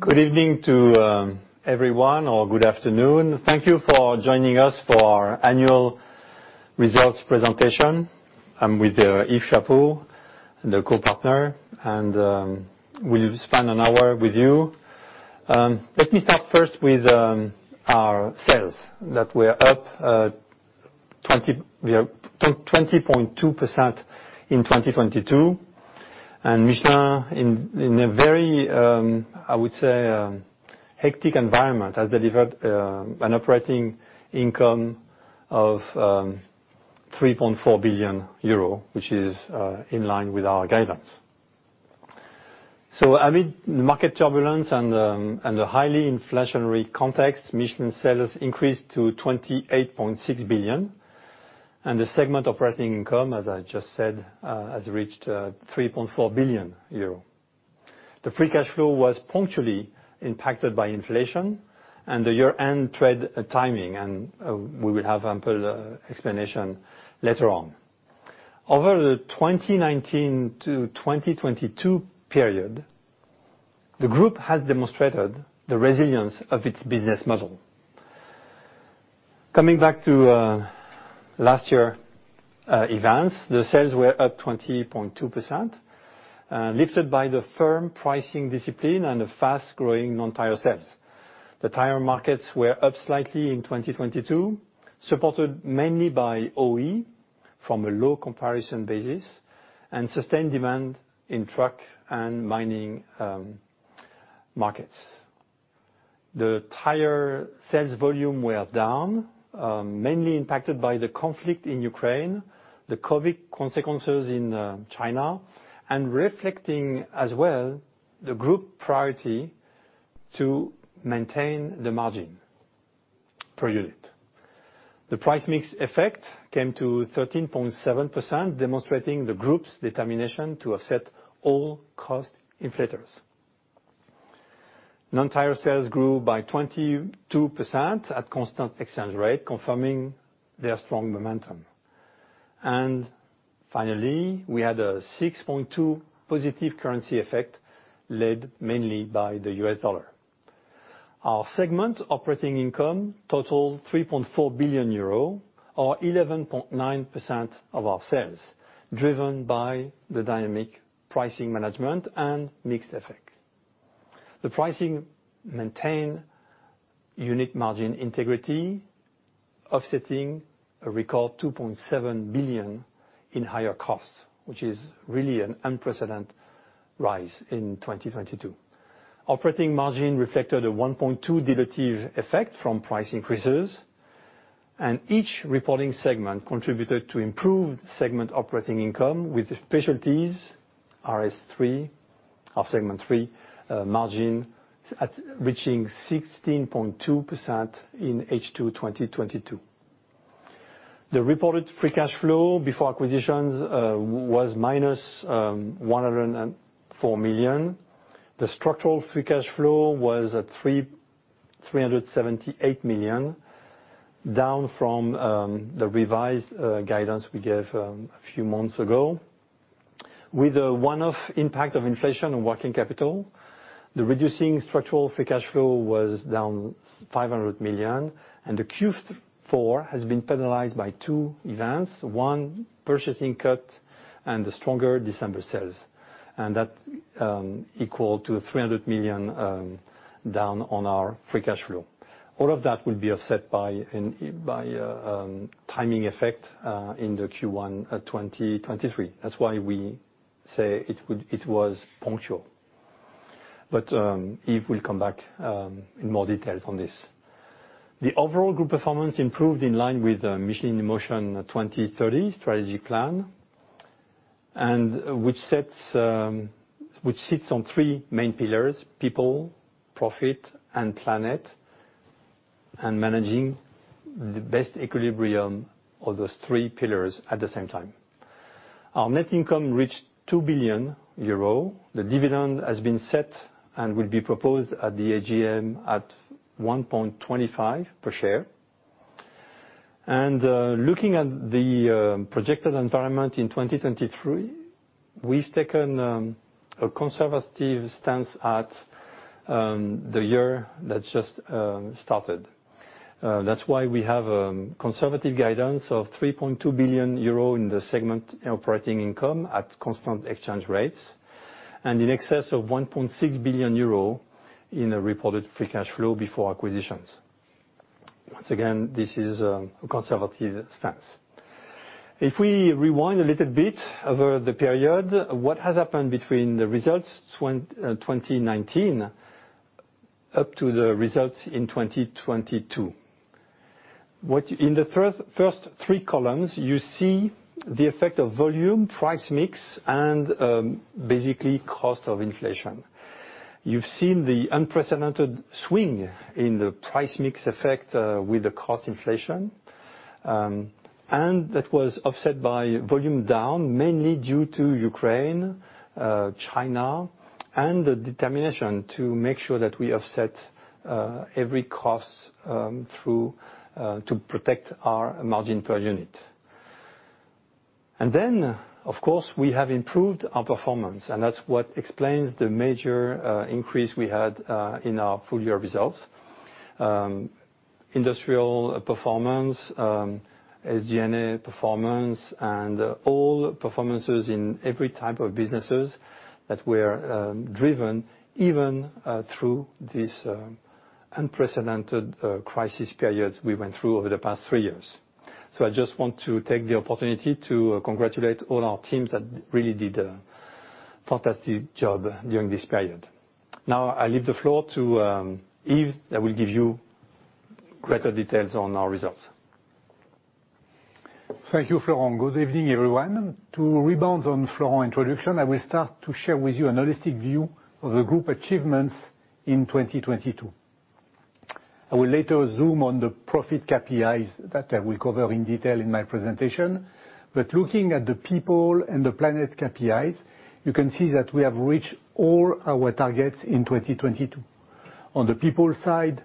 Good evening to everyone, or good afternoon. Thank you for joining us for our annual results presentation. I'm with Yves Chapot, the co-partner, and we'll spend an hour with you. Let me start first with our sales, that we're up 20.2% in 2022. Michelin in a very, I would say, hectic environment, has delivered an operating income of 3.4 billion euro, which is in line with our guidance. Amid market turbulence and a highly inflationary context, Michelin sales increased to 28.6 billion, and the segment operating income, as I just said, has reached 3.4 billion euro. The free cash flow was punctually impacted by inflation and the year-end tread timing, and we will have ample explanation later on. Over the 2019 to 2022 period, the group has demonstrated the resilience of its business model. Coming back to last year events, the sales were up 20.2%, lifted by the firm pricing discipline and the fast-growing non-tire sales. The tire markets were up slightly in 2022, supported mainly by OE, from a low comparison basis, and sustained demand in truck and mining markets. The tire sales volume were down, mainly impacted by the conflict in Ukraine, the COVID consequences in China, and reflecting as well the group priority to maintain the margin per unit. The price mix effect came to 13.7%, demonstrating the group's determination to offset all cost inflators. Non-tire sales grew by 22% at constant exchange rate, confirming their strong momentum. Finally, we had a 6.2% positive currency effect, led mainly by the U.S. dollar. Our segment operating income totaled 3.4 billion euro, or 11.9% of our sales, driven by the dynamic pricing management and mix effect. The pricing maintained unit margin integrity, offsetting a record 2.7 billion in higher costs, which is really an unprecedented rise in 2022. Operating margin reflected a 1.2% dilutive effect from price increases. Each reporting segment contributed to improved segment operating income with Specialties RS3, our Segment 3, margin reaching 16.2% in H2 2022. The reported free cash flow before acquisitions was minus 104 million. The structural free cash flow was at 378 million, down from the revised guidance we gave a few months ago. With a one-off impact of inflation on working capital, the reducing structural free cash flow was down 500 million. The Q4 has been penalized by two events, one purchasing cut and the stronger December sales. That equal to 300 million down on our free cash flow. All of that will be offset by timing effect in the Q1 2023. That's why we say it was punctual. Yves will come back in more details on this. The overall group performance improved in line with Michelin in Motion 2030 strategic plan, which sets, which sits on three main pillars: people, profit, and planet, and managing the best equilibrium of those three pillars at the same time. Our net income reached 2 billion euro. The dividend has been set and will be proposed at the AGM at 1.25 per share. Looking at the projected environment in 2023, we've taken a conservative stance at the year that just started. That's why we have conservative guidance of 3.2 billion euro in the segment operating income at constant exchange rates, and in excess of 1.6 billion euro in the reported free cash flow before acquisitions. Once again, this is a conservative stance. If we rewind a little bit over the period, what has happened between the results 2019 up to the results in 2022? In the first three columns, you see the effect of volume, price mix, and basically cost of inflation. You've seen the unprecedented swing in the price mix effect with the cost inflation. That was offset by volume down, mainly due to Ukraine, China, and the determination to make sure that we offset every cost through to protect our margin per unit. Of course, we have improved our performance, and that's what explains the major increase we had in our full year results. Industrial performance, SG&A performance, and all performances in every type of businesses that were driven even through this unprecedented crisis period we went through over the past three years. I just want to take the opportunity to congratulate all our teams that really did a fantastic job during this period. Now I leave the floor to Yves, that will give you greater details on our results. Thank you, Florent. Good evening, everyone. To rebound on Florent introduction, I will start to share with you an holistic view of the group achievements in 2022. I will later zoom on the profit KPIs that I will cover in detail in my presentation. Looking at the people and the planet KPIs, you can see that we have reached all our targets in 2022. On the people side,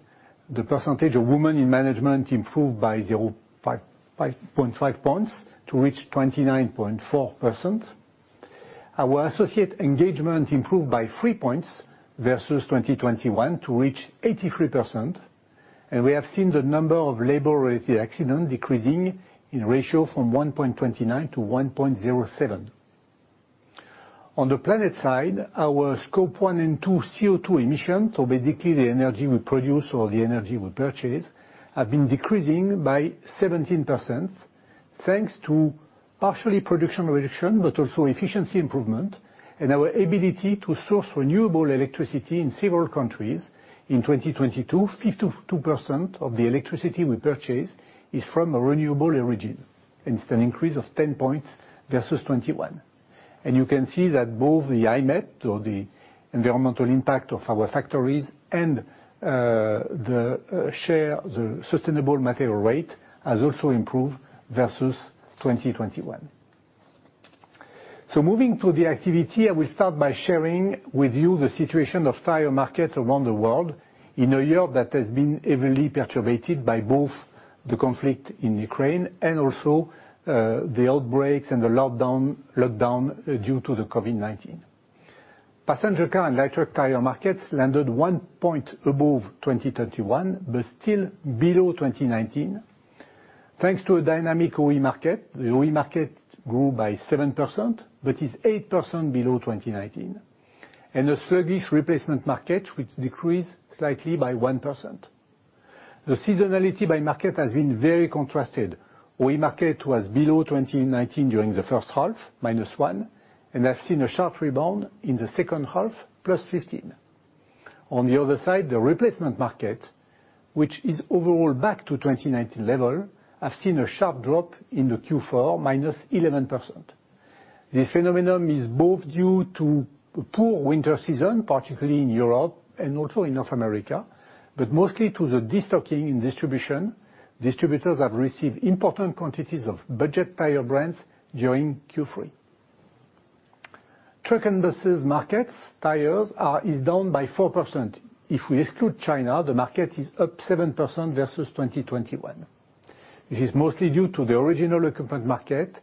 the percentage of women in management improved by 0.5 points to reach 29.4%. Our associate engagement improved by 3 points versus 2021 to reach 83%, and we have seen the number of labor-related accidents decreasing in ratio from 1.29-1.07. On the planet side, our Scope 1 and 2 CO2 emissions, so basically the energy we produce or the energy we purchase, have been decreasing by 17%, thanks to partially production reduction, also efficiency improvement and our ability to source renewable electricity in several countries. In 2022, 52% of the electricity we purchase is from a renewable origin. It's an increase of 10 points versus 2021. You can see that both the i-MEP or the environmental impact of our factories and the sustainable material rate has also improved versus 2021. Moving to the activity, I will start by sharing with you the situation of tire markets around the world in a year that has been heavily perturbed by both the conflict in Ukraine and also the outbreaks and the lockdown due to the COVID-19. Passenger car and light truck tire markets landed 1 point above 2021, but still below 2019. Thanks to a dynamic OE market, the OE market grew by 7%, but is 8% below 2019, and a sluggish replacement market which decreased slightly by 1%. The seasonality by market has been very contrasted. OE market was below 2019 during the first half, -1, and has seen a sharp rebound in the second half, +15%. On the other side, the replacement market, which is overall back to 2019 level, have seen a sharp drop in the Q4, -11%. This phenomenon is both due to poor winter season, particularly in Europe and also in North America, but mostly to the destocking in distribution. Distributors have received important quantities of budget tire brands during Q3. Truck and buses markets tires is down by 4%. If we exclude China, the market is up 7% versus 2021. This is mostly due to the original equipment market,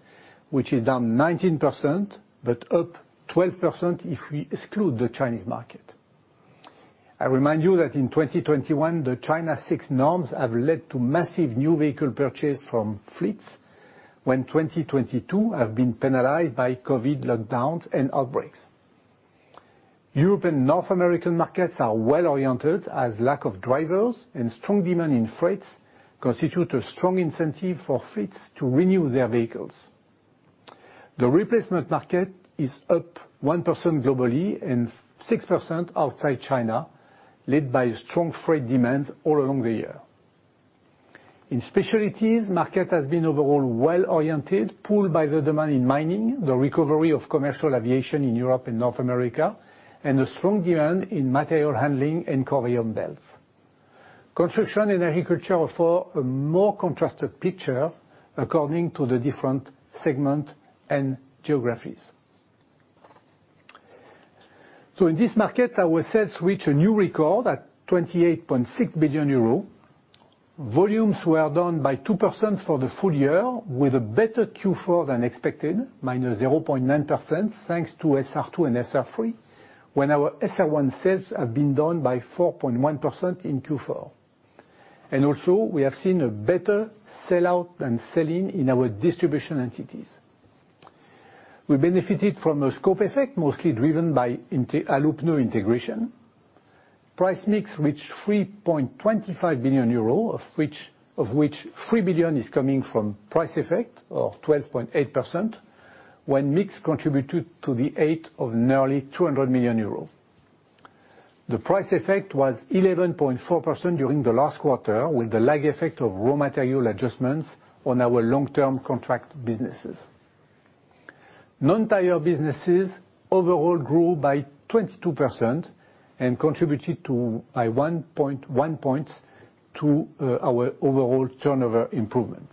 which is down 19%, up 12% if we exclude the Chinese market. I remind you that in 2021, the China six norms have led to massive new vehicle purchase from fleets, when 2022 have been penalized by COVID lockdowns and outbreaks. Europe and North American markets are well-oriented, as lack of drivers and strong demand in freight constitute a strong incentive for fleets to renew their vehicles. The replacement market is up 1% globally and 6% outside China, led by strong freight demands all along the year. In Specialties, market has been overall well-oriented, pulled by the demand in mining, the recovery of commercial aviation in Europe and North America, and a strong demand in material handling and conveyor belts. Construction and agriculture offer a more contrasted picture according to the different segment and geographies. In this market, our sales reach a new record at 28.6 billion euro. Volumes were down by 2% for the full year, with a better Q4 than expected, -0.9%, thanks to SR2 and SR3, when our SR1 sales have been down by 4.1% in Q4. We have seen a better sell out than sell-in in our distribution entities. We benefited from a scope effect, mostly driven by Allopneus integration. Price mix reached 3.25 billion euros, of which 3 billion is coming from price effect or 12.8%, when mix contributed to the eighth of nearly 200 million euros. The price effect was 11.4% during the last quarter, with the lag effect of raw material adjustments on our long-term contract businesses. Non-tire businesses overall grew by 22% and contributed to, by 1 point to our overall turnover improvement.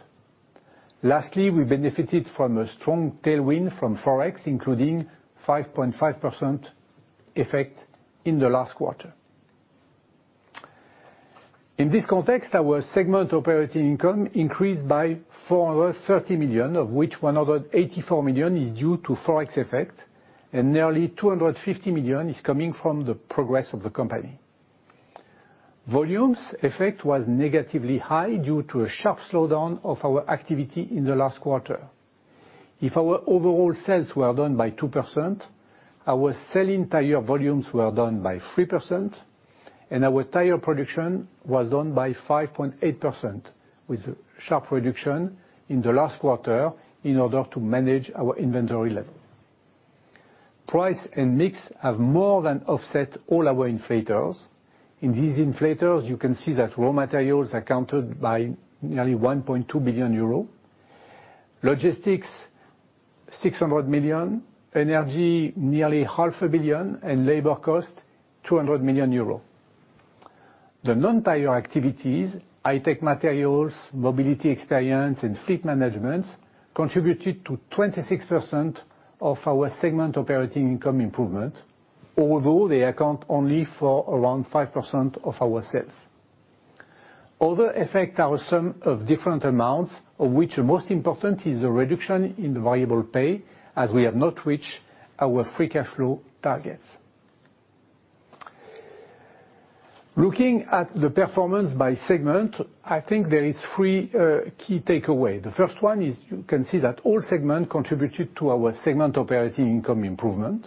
We benefited from a strong tailwind from Forex, including 5.5% effect in the last quarter. In this context, our segment operating income increased by 430 million, of which 184 million is due to Forex effect, and nearly 250 million is coming from the progress of the company. Volumes effect was negatively high due to a sharp slowdown of our activity in the last quarter. If our overall sales were down by 2%, our selling tire volumes were down by 3%, and our tire production was down by 5.8%, with sharp reduction in the last quarter in order to manage our inventory level. Price and mix have more than offset all our inflators. In these inflators, you can see that raw materials accounted by nearly 1.2 billion euro. Logistics, 600 million. Energy, nearly 500 million. And labor cost, 200 million euro. The non-tire activities, high-tech materials, mobility experience, and fleet management, contributed to 26% of our segment operating income improvement, although they account only for around 5% of our sales. Other effect are a sum of different amounts, of which the most important is the reduction in variable pay, as we have not reached our free cash flow targets. Looking at the performance by segment, I think there is three key takeaway. The first one is you can see that all segment contributed to our segment operating income improvement.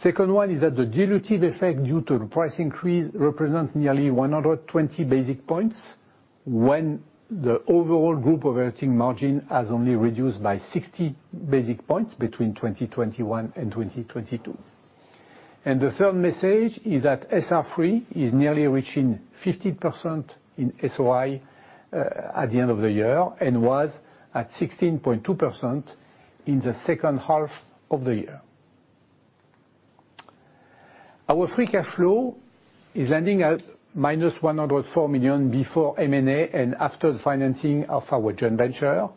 Second one is that the dilutive effect due to the price increase represent nearly 120 basic points when the overall group operating margin has only reduced by 60 basic points between 2021 and 2022. The third message is that SR3 is nearly reaching 15% in SOI at the end of the year and was at 16.2% in the second half of the year. Our free cash flow is landing at -104 million before M&A and after the financing of our joint venture,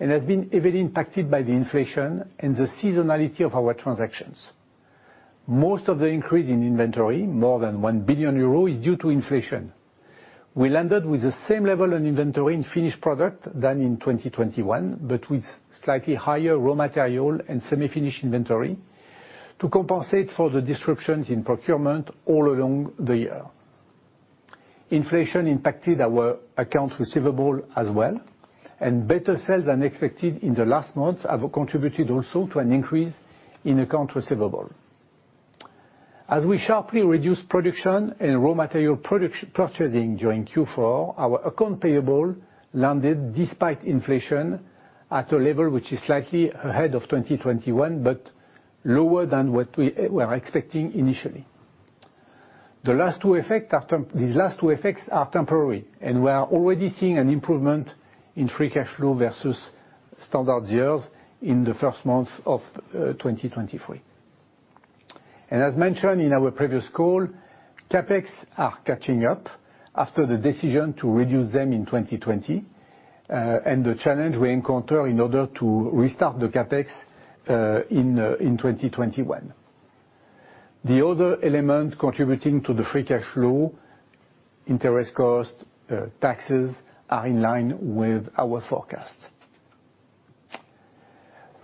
has been heavily impacted by the inflation and the seasonality of our transactions. Most of the increase in inventory, more than 1 billion euro, is due to inflation. We landed with the same level on inventory and finished product than in 2021, with slightly higher raw material and semi-finished inventory to compensate for the disruptions in procurement all along the year. Inflation impacted our accounts receivable as well, better sales than expected in the last months have contributed also to an increase in accounts receivable. As we sharply reduced production and raw material purchasing during Q4, our accounts payable landed despite inflation at a level which is slightly ahead of 2021, lower than what we were expecting initially. These last two effects are temporary, we are already seeing an improvement in free cash flow versus standard years in the first months of 2023. As mentioned in our previous call, CapEx are catching up after the decision to reduce them in 2020, and the challenge we encounter in order to restart the CapEx in 2021. The other element contributing to the free cash flow, interest cost, taxes, are in line with our forecast.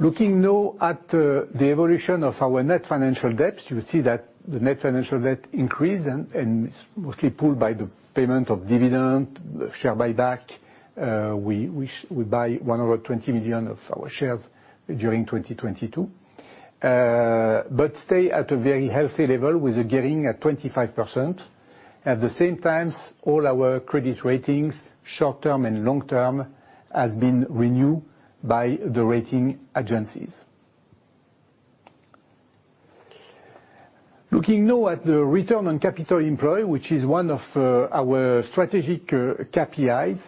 Looking now at the evolution of our net financial debts, you will see that the net financial debt increased and is mostly pulled by the payment of dividend, share buyback. We buy 120 million of our shares during 2022. but stay at a very healthy level, with a gearing at 25%. At the same time, all our credit ratings, short-term and long-term, has been renewed by the rating agencies. Looking now at the return on capital employed, which is one of our strategic KPIs,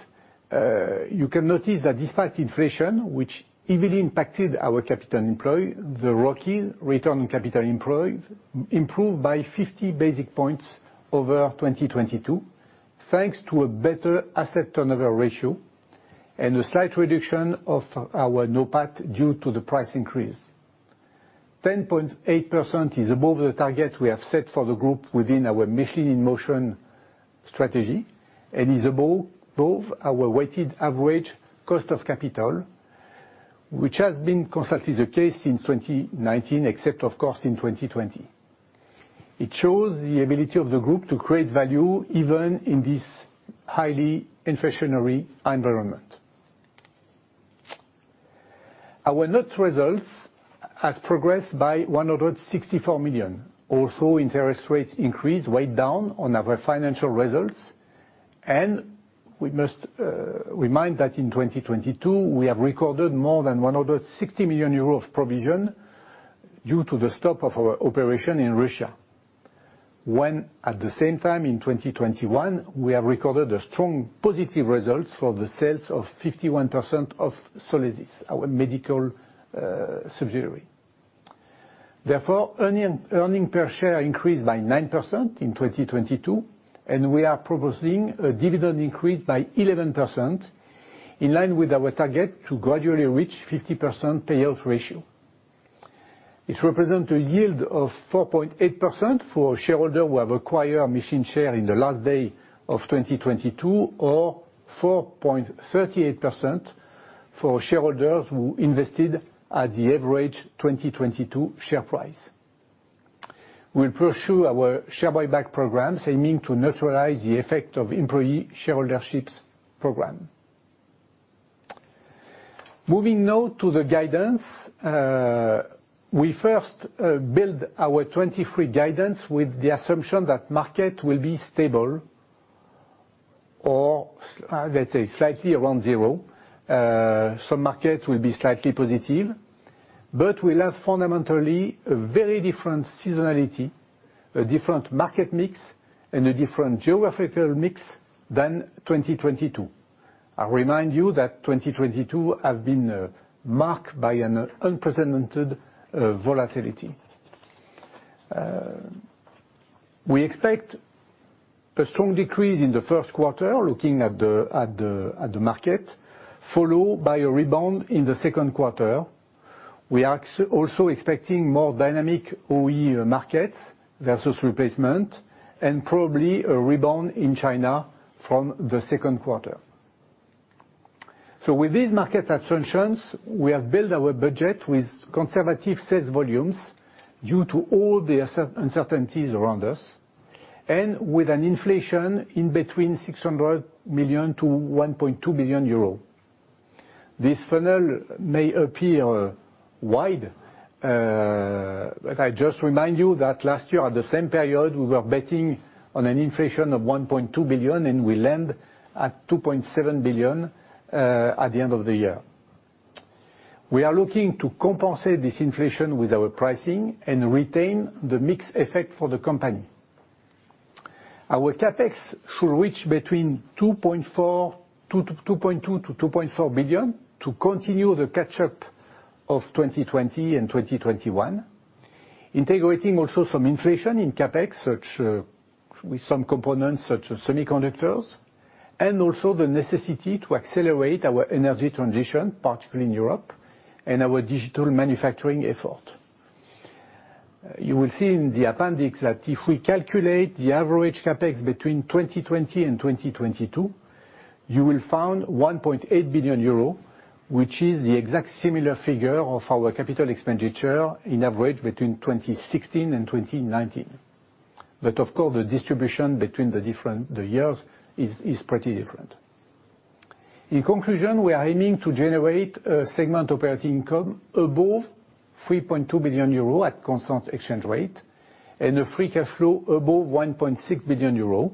you can notice that despite inflation, which heavily impacted our capital employed, the ROCE, return on capital employed, improved by 50 basic points over 2022, thanks to a better asset turnover ratio and a slight reduction of our NOPAT due to the price increase. 10.8% is above the target we have set for the group within our Michelin in Motion strategy and is above our weighted average cost of capital, which has been consistently the case since 2019, except of course in 2020. It shows the ability of the group to create value even in this highly inflationary environment. Our net results has progressed by 164 million, although interest rates increase weighed down on our financial results. We must remind that in 2022, we have recorded more than 160 million euros of provision due to the stop of our operation in Russia. At the same time in 2021, we have recorded a strong positive result for the sales of 51% of Solesis, our medical subsidiary. Earning per share increased by 9% in 2022. We are proposing a dividend increase by 11%, in line with our target to gradually reach 50% payout ratio. It represent a yield of 4.8% for shareholder who have acquired registered share in the last day of 2022 or 4.38% for shareholders who invested at the average 2022 share price. We'll pursue our share buyback programs, aiming to neutralize the effect of employee shareholderships program. Moving now to the guidance. We first build our 2023 guidance with the assumption that market will be stable or let's say, slightly around zero. Some markets will be slightly positive, but we'll have fundamentally a very different seasonality, a different market mix, and a different geographical mix than 2022. I remind you that 2022 has been marked by an unprecedented volatility. We expect a strong decrease in the first quarter, looking at the market, followed by a rebound in the second quarter. We are also expecting more dynamic OE markets versus replacement, and probably a rebound in China from the second quarter. With these market assumptions, we have built our budget with conservative sales volumes due to all the uncertainties around us, and with an inflation in between 600 million-1.2 billion euro. This funnel may appear wide, but I just remind you that last year at the same period, we were betting on an inflation of 1.2 billion, and we land at 2.7 billion at the end of the year. We are looking to compensate this inflation with our pricing and retain the mix effect for the company. Our CapEx should reach between 2.2 billion-2.4 billion to continue the catch-up of 2020 and 2021, integrating also some inflation in CapEx, with some components such as semiconductors, and also the necessity to accelerate our energy transition, particularly in Europe, and our digital manufacturing effort. You will see in the appendix that if we calculate the average CapEx between 2020 and 2022, you will found 1.8 billion euro, which is the exact similar figure of our capital expenditure in average between 2016 and 2019. But of course, the distribution between the different years is pretty different. In conclusion, we are aiming to generate a segment operating income above 3.2 billion euro at constant exchange rate, and a free cash flow above 1.6 billion euro.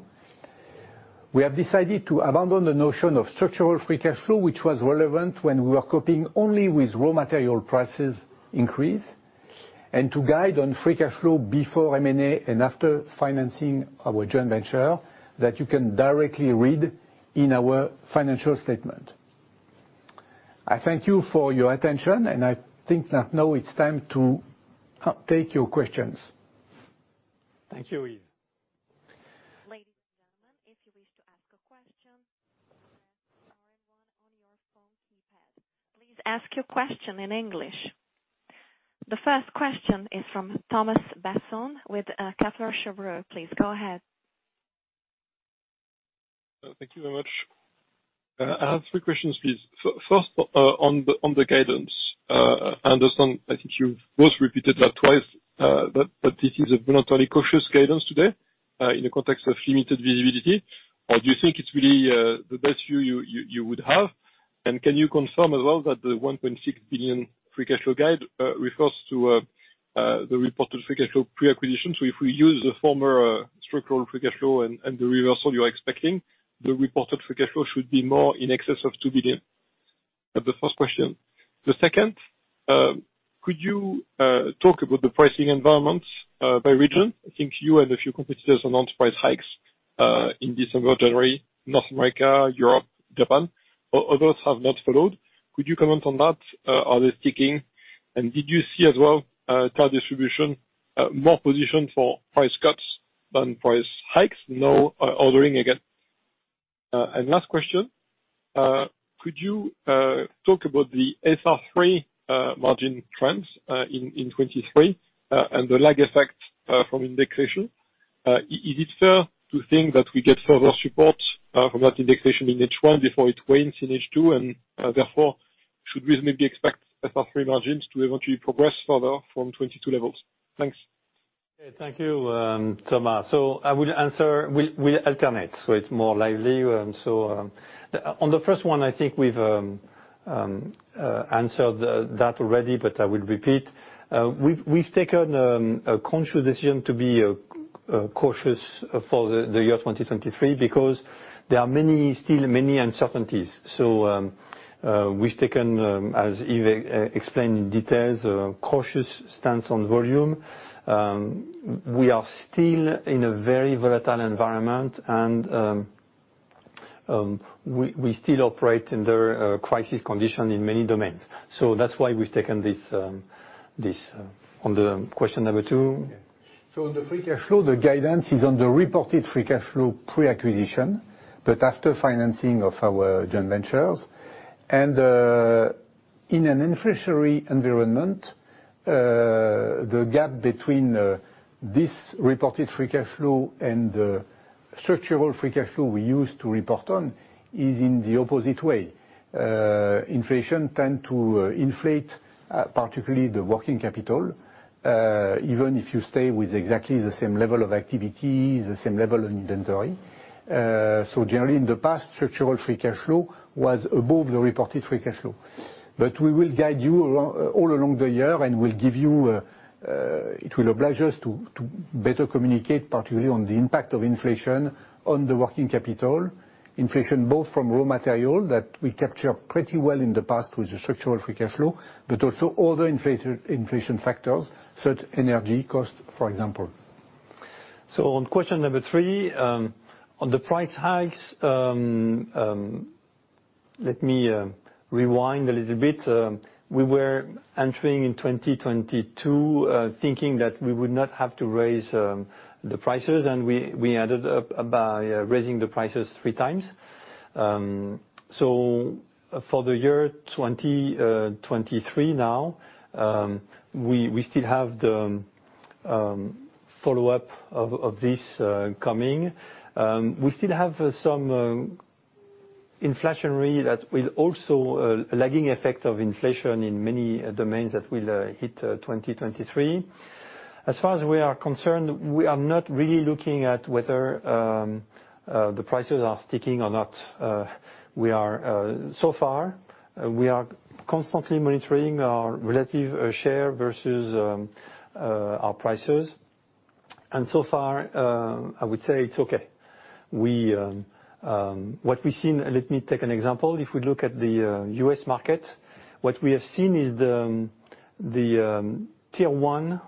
We have decided to abandon the notion of structural free cash flow, which was relevant when we were coping only with raw material prices increase, and to guide on free cash flow before M&A and after financing our joint venture that you can directly read in our financial statement. I thank you for your attention. I think that now it's time to take your questions. Thank you, Yves. Ladies, and gentlemen, if you wish to ask a question, press star and one on your phone keypad. Please ask your question in English. The first question is from Thomas Besson with Kepler Cheuvreux. Please, go ahead. Thank you very much. I have three questions, please. First, on the guidance. I understand I think you've both repeated that twice, but this is a voluntarily cautious guidance today, in the context of limited visibility. Do you think it's really the best view you would have? Can you confirm as well that the 1.6 billion free cash flow guide refers to the reported free cash flow pre-acquisition? If we use the former structural free cash flow and the reversal you're expecting, the reported free cash flow should be more in excess of 2 billion. That the first question. The second, could you talk about the pricing environments by region? I think you and a few competitors announced price hikes in December, January, North America, Europe, Japan. Others have not followed. Could you comment on that? Are they sticking? Did you see as well, tire distribution, more positioned for price cuts than price hikes now, ordering again? Last question, could you talk about the SR3 margin trends in 2023 and the lag effect from indexation? Is it fair to think that we get further support from that indexation in H1 before it wanes in H2, and therefore, should we maybe expect SR3 margins to eventually progress further from 2022 levels? Thanks. Thank you, Thomas. I will answer. We'll alternate so it's more lively. On the first one, I think we've answered that already, but I will repeat. We've taken a conscious decision to be cautious for the year 2023 because there are many, still many uncertainties. We've taken, as Yves explained in details, a cautious stance on volume. We are still in a very volatile environment and we still operate under a crisis condition in many domains. That's why we've taken this. On the question number two. The free cash flow, the guidance is on the reported free cash flow pre-acquisition, but after financing of our joint ventures. In an inflationary environment, the gap between this reported free cash flow and the structural free cash flow we use to report on is in the opposite way. Inflation tend to inflate, particularly the working capital, even if you stay with exactly the same level of activity, the same level of inventory. Generally in the past, structural free cash flow was above the reported free cash flow. We will guide you all along the year, and we'll give you, it will oblige us to better communicate, particularly on the impact of inflation on the working capital. Inflation both from raw material that we capture pretty well in the past with the structural free cash flow. Also other inflation factors such energy cost, for example. On question number three, on the price hikes, let me rewind a little bit. We were entering in 2022, thinking that we would not have to raise the prices, and we ended up by raising the prices three times. For the year 2023 now, we still have the follow-up of this coming. We still have some inflationary that will also lagging effect of inflation in many domains that will hit 2023. As far as we are concerned, we are not really looking at whether the prices are sticking or not. We are so far we are constantly monitoring our relative share versus our prices. So far, I would say it's okay. Let me take an example. If we look at the U.S. Market, what we have seen is the Tier 1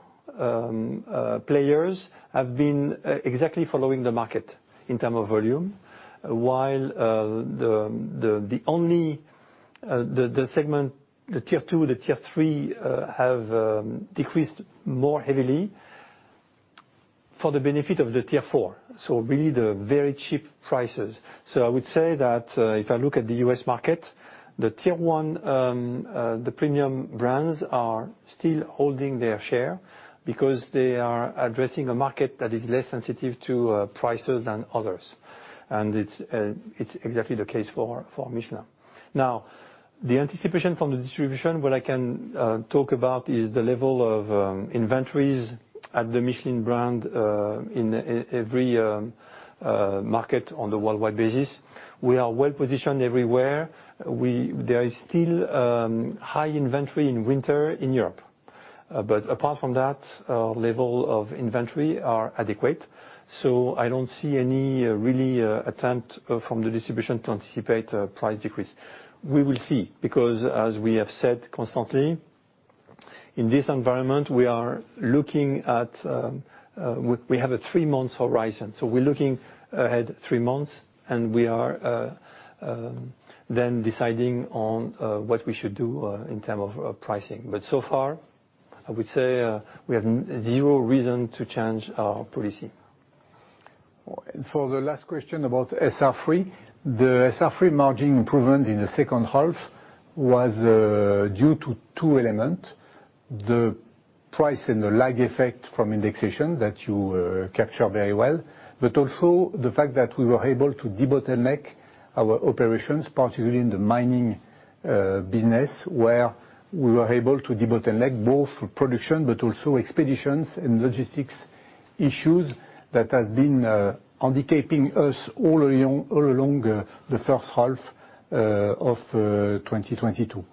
players have been exactly following the market in term of volume. While the only segment, the Tier 2, the Tier 3, have decreased more heavily for the benefit of the Tier 4. Really the very cheap prices. I would say that if I look at the U.S. market, the Tier 1 premium brands are still holding their share because they are addressing a market that is less sensitive to prices than others. It's exactly the case for Michelin. The anticipation from the distribution, what I can talk about is the level of inventories at the Michelin brand in every market on the worldwide basis. We are well positioned everywhere. There is still high inventory in winter in Europe. Apart from that, level of inventory are adequate. I don't see any really attempt from the distribution to anticipate price decrease. We will see, because as we have said constantly, in this environment, we are looking at, we have a three-month horizon, so we're looking ahead three months, and we are then deciding on what we should do in term of pricing. So far, I would say, we have zero reason to change our policy. For the last question about SR3, the SR3 margin improvement in the second half was due to two elements, the price and the lag effect from indexation that you capture very well, but also the fact that we were able to debottleneck our operations, particularly in the mining business, where we were able to debottleneck both production but also expeditions and logistics issues that has been handicapping us all along the first half of 2022.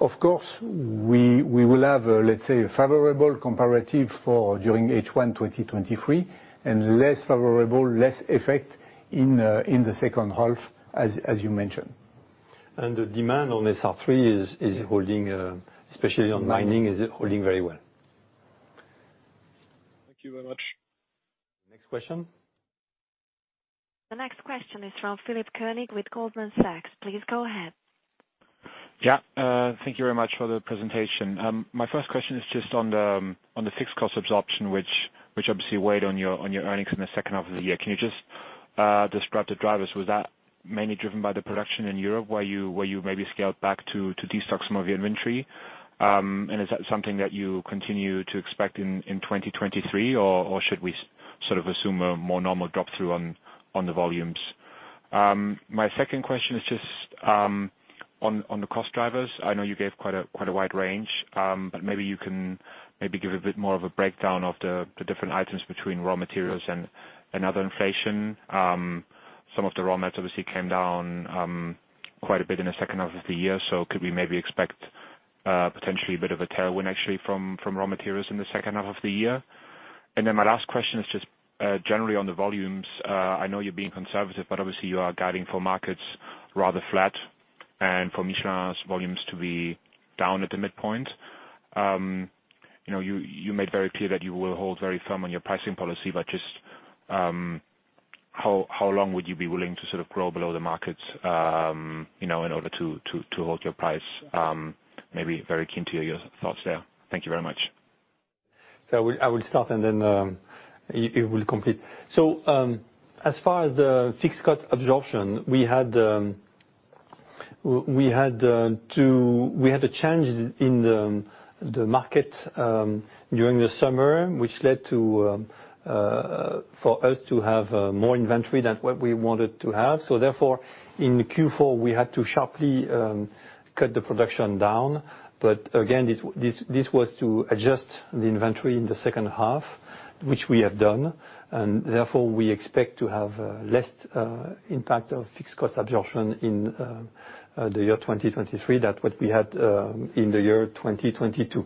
Of course, we will have, let's say, a favorable comparative for during H1 2023 and less favorable, less effect in the second half, as you mentioned. The demand on SR3 is holding, especially on mining, is holding very well. Thank you very much. Next question. The next question is from Philipp Koenig with Goldman Sachs. Please go ahead. Thank you very much for the presentation. My first question is just on the fixed cost absorption, which obviously weighed on your earnings in the second half of the year. Can you just describe the drivers? Was that mainly driven by the production in Europe, where you maybe scaled back to destock some of the inventory? Is that something that you continue to expect in 2023, or should we sort of assume a more normal drop through on the volumes? My second question is just on the cost drivers. I know you gave quite a wide range, but maybe you can maybe give a bit more of a breakdown of the different items between raw materials and other inflation. Some of the raw mats obviously came down quite a bit in the second half of the year. Could we maybe expect potentially a bit of a tailwind actually from raw materials in the second half of the year? My last question is just generally on the volumes. I know you're being conservative, obviously you are guiding for markets rather flat and for Michelin's volumes to be down at the midpoint. You know, you made very clear that you will hold very firm on your pricing policy, just how long would you be willing to sort of grow below the markets, you know, in order to hold your price, maybe very keen to hear your thoughts there. Thank you very much. I will start, and then Yves will complete. As far as the fixed cost absorption, we had a change in the market during the summer, which led to for us to have more inventory than what we wanted to have. Therefore in Q4 we had to sharply cut the production down. Again, this was to adjust the inventory in the second half, which we have done. Therefore, we expect to have less impact of fixed cost absorption in the year 2023 that what we had in the year 2022.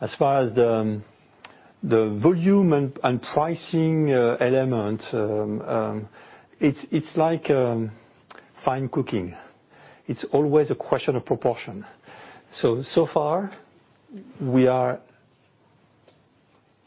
As far as the volume and pricing element, it's like fine cooking. It's always a question of proportion. So far we are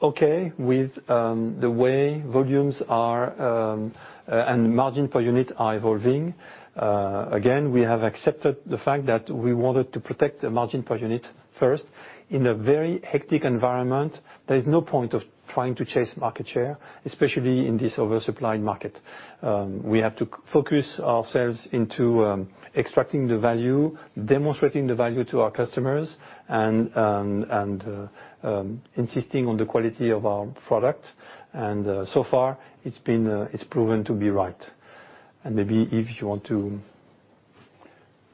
okay with the way volumes are and margin per unit are evolving. Again, we have accepted the fact that we wanted to protect the margin per unit first. In a very hectic environment, there is no point of trying to chase market share, especially in this oversupplied market. We have to focus ourselves into extracting the value, demonstrating the value to our customers and insisting on the quality of our product. So far it's been it's proven to be right. Maybe, Yves, you want to...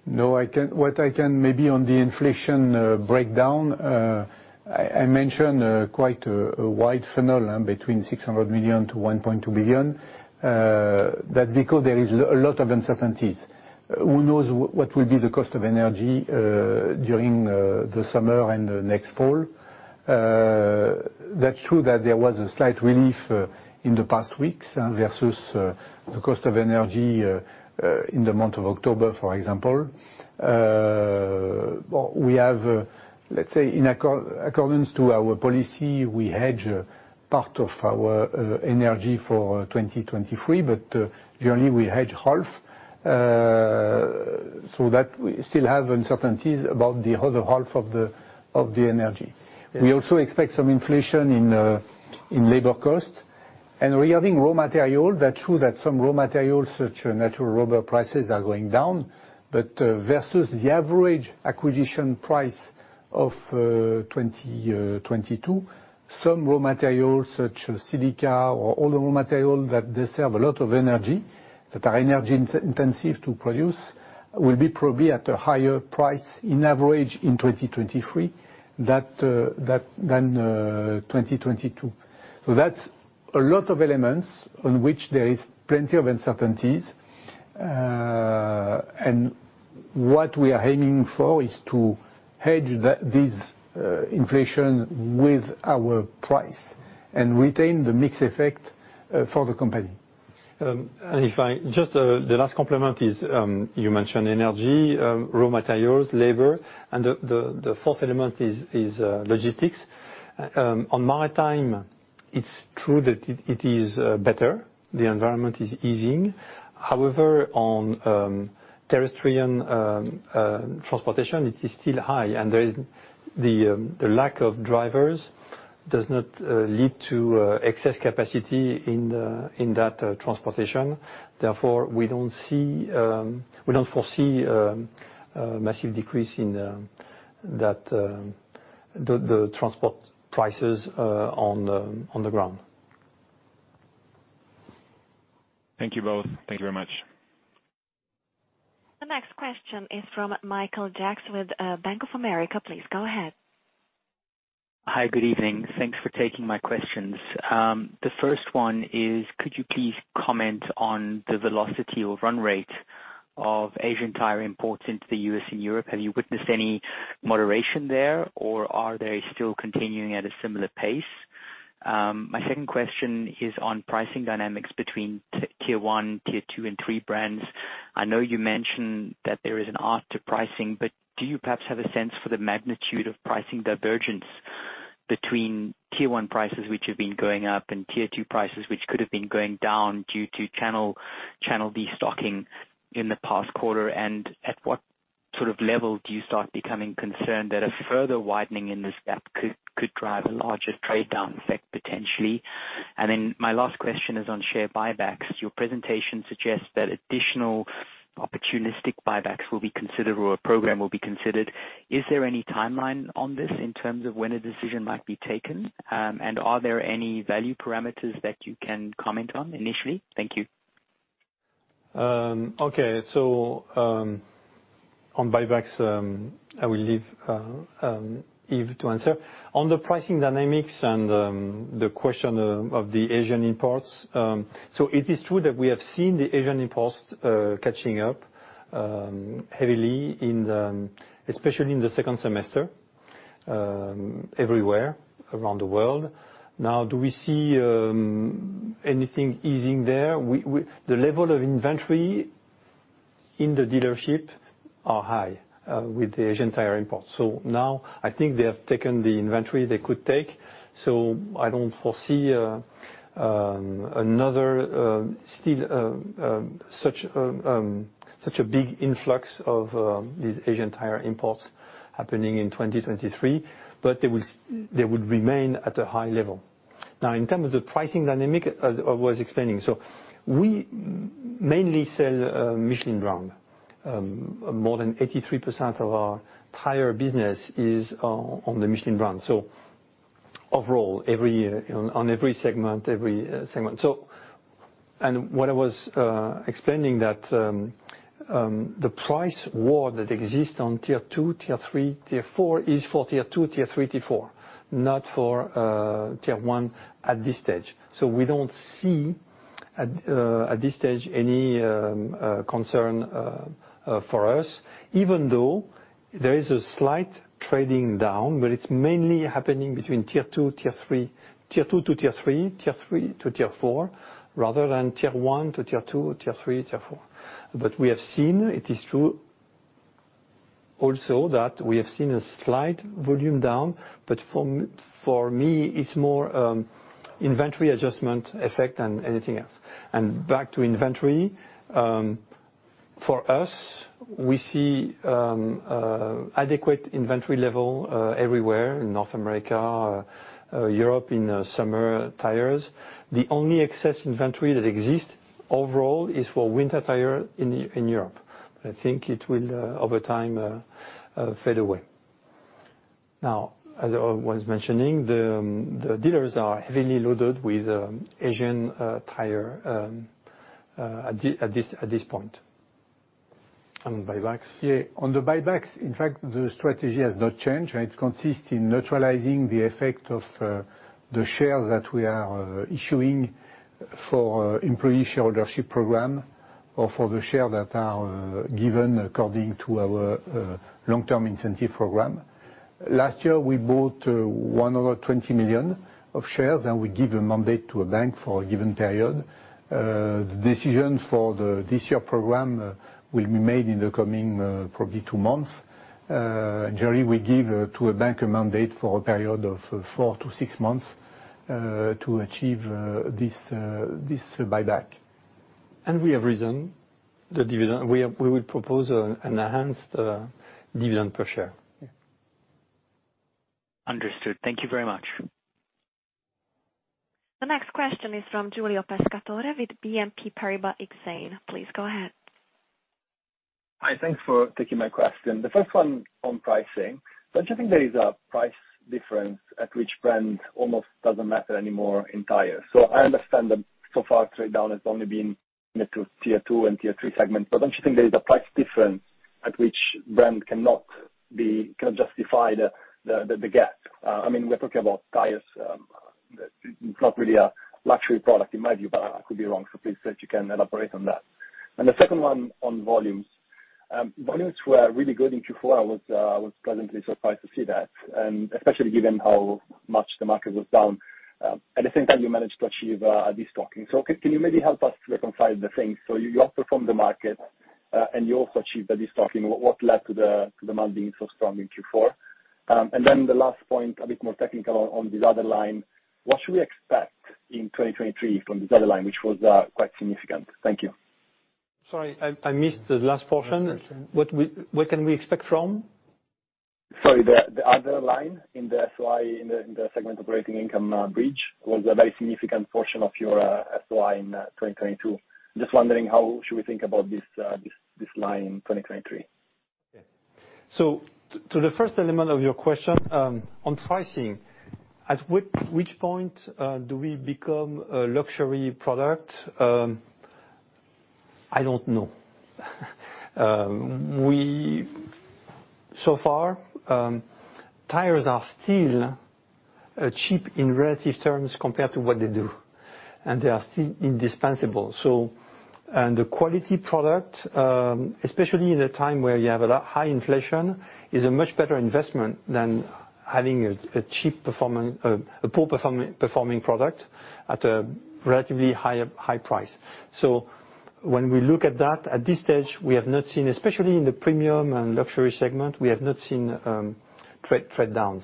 What I can maybe on the inflation breakdown, I mentioned quite a wide funnel between 600 million-1.2 billion. Because there is a lot of uncertainties. Who knows what will be the cost of energy during the summer and next fall. That's true that there was a slight relief in the past weeks versus the cost of energy in the month of October, for example. We have, let's say in accordance to our policy, we hedge part of our energy for 2023, but usually we hedge half. We still have uncertainties about the other half of the energy. We also expect some inflation in labor costs. Regarding raw material, that's true that some raw materials such as natural rubber prices are going down. Versus the average acquisition price of 2022, some raw materials such as silica or other raw material that are energy intensive to produce, will be probably at a higher price in average in 2023 than 2022. That's a lot of elements on which there is plenty of uncertainties. And what we are aiming for is to hedge this inflation with our price and retain the mix effect for the company. If I just, the last complement is, you mentioned energy, raw materials, labor, and the fourth element is logistics. On maritime, it's true that it is better, the environment is easing. However, on terrestrial transportation, it is still high, and the lack of drivers does not lead to excess capacity in that transportation. Therefore, we don't see, we don't foresee a massive decrease in that the transport prices on the ground. Thank you both. Thank you very much. The next question is from Michael Jacks with Bank of America. Please go ahead. Hi. Good evening. Thanks for taking my questions. The first one is could you please comment on the velocity or run rate of Asian tire imports into the U.S. and Europe? Have you witnessed any moderation there, or are they still continuing at a similar pace? My second question is on pricing dynamics between Tier 1, Tier 2 and Tier 3 brands. I know you mentioned that there is an art to pricing, but do you perhaps have a sense for the magnitude of pricing divergence between Tier 1 prices, which have been going up, and Tier 2 prices, which could have been going down due to channel destocking in the past quarter? At what sort of level do you start becoming concerned that a further widening in this gap could drive a larger trade-down effect potentially? My last question is on share buybacks. Your presentation suggests that additional opportunistic buybacks will be considered or a program will be considered. Is there any timeline on this in terms of when a decision might be taken? Are there any value parameters that you can comment on initially? Thank you. Okay. On buybacks, I will leave Yves to answer. On the pricing dynamics and the question of the Asian imports. It is true that we have seen the Asian imports catching up heavily in the, especially in the second semester, everywhere around the world. Do we see anything easing there? The level of inventory in the dealership are high with the Asian tire import. Now I think they have taken the inventory they could take, so I don't foresee another still such a such a big influx of these Asian tire imports happening in 2023, but they would remain at a high level. In terms of the pricing dynamic, as I was explaining, we mainly sell Michelin brand. More than 83% of our tire business is on the Michelin brand. Overall, every year, on every segment. What I was explaining that the price war that exists on Tier 2, Tier 3, Tier 4 is for Tier 2, Tier 3, Tier 4, not for Tier 1 at this stage. We don't see at this stage any concern for us, even though there is a slight trading down, but it's mainly happening between Tier 2, Tier 3, Tier 2 to Tier 3, Tier 3 to Tier 4, rather than Tier 1 to Tier 2, Tier 3 to Tier 4. We have seen, it is true also that we have seen a slight volume down, but for me, it's more inventory adjustment effect than anything else. Back to inventory, for us, we see adequate inventory level everywhere in North America, Europe in summer tires. The only excess inventory that exists overall is for winter tire in Europe. I think it will over time fade away. As I was mentioning, the dealers are heavily loaded with Asian tire at this point. On buybacks? Yeah. On the buybacks, in fact, the strategy has not changed, right? It consists in neutralizing the effect of the shares that we are issuing for employee share ownership program or for the share that are given according to our long-term incentive program. Last year, we bought 120 million shares, and we give a mandate to a bank for a given period. The decision for the this year program will be made in the coming, probably two months. Generally, we give to a bank a mandate for a period of four to six months to achieve this buyback. We have risen the dividend. We will propose an enhanced dividend per share. Yeah. Understood. Thank you very much. The next question is from Giulio Pescatore with BNP Paribas Exane. Please go ahead. Hi, thanks for taking my question. The first one on pricing. Don't you think there is a price difference at which brand almost doesn't matter anymore in tires? I understand that so far, trade down has only been limited to Tier 2 and Tier 3 segments. Don't you think there is a price difference at which brand cannot justify the, the gap? I mean, we're talking about tires, it's not really a luxury product in my view, but I could be wrong. Please, if you can elaborate on that. The second one on volumes. Volumes were really good in Q4. I was pleasantly surprised to see that, and especially given how much the market was down. At the same time, you managed to achieve a destocking. Can you maybe help us to reconcile the things? You outperformed the market, and you also achieved the destocking. What led to demand being so strong in Q4? The last point, a bit more technical on this other line. What should we expect in 2023 from this other line, which was quite significant? Thank you. Sorry, I missed the last portion. What can we expect from? Sorry. The other line in the SOI, in the segment operating income bridge was a very significant portion of your SOI in 2022. Just wondering how should we think about this line in 2023? Yeah. To the first element of your question, on pricing, at which point, do we become a luxury product? I don't know. So far, tires are still cheap in relative terms compared to what they do, and they are still indispensable, so. The quality product, especially in a time where you have a high inflation, is a much better investment than having a poor performing product at a relatively higher, high price. When we look at that, at this stage, we have not seen, especially in the premium and luxury segment, we have not seen trade downs.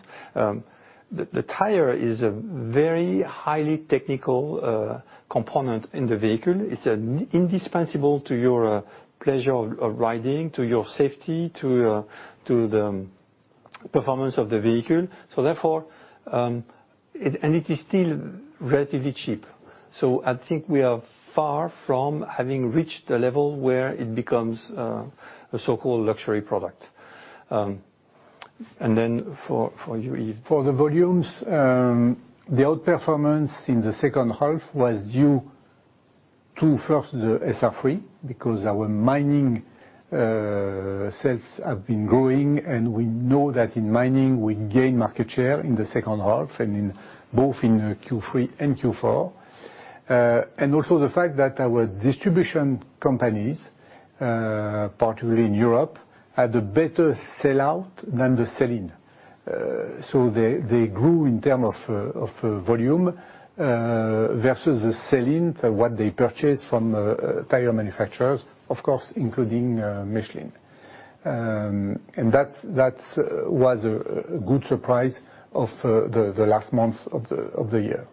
The tire is a very highly technical component in the vehicle. It's an indispensable to your pleasure of riding, to your safety, to the performance of the vehicle. It is still relatively cheap. I think we are far from having reached the level where it becomes a so-called luxury product. For you, for the volumes, the outperformance in the second half was due to, first, the SR3, because our mining sales have been growing, and we know that in mining, we gain market share in the second half and in both in Q3 and Q4. The fact that our distribution companies, particularly in Europe, had a better sell out than the sell in. They grew in term of volume versus the selling, what they purchased from tire manufacturers, of course, including Michelin. That was a good surprise of the last months of the year.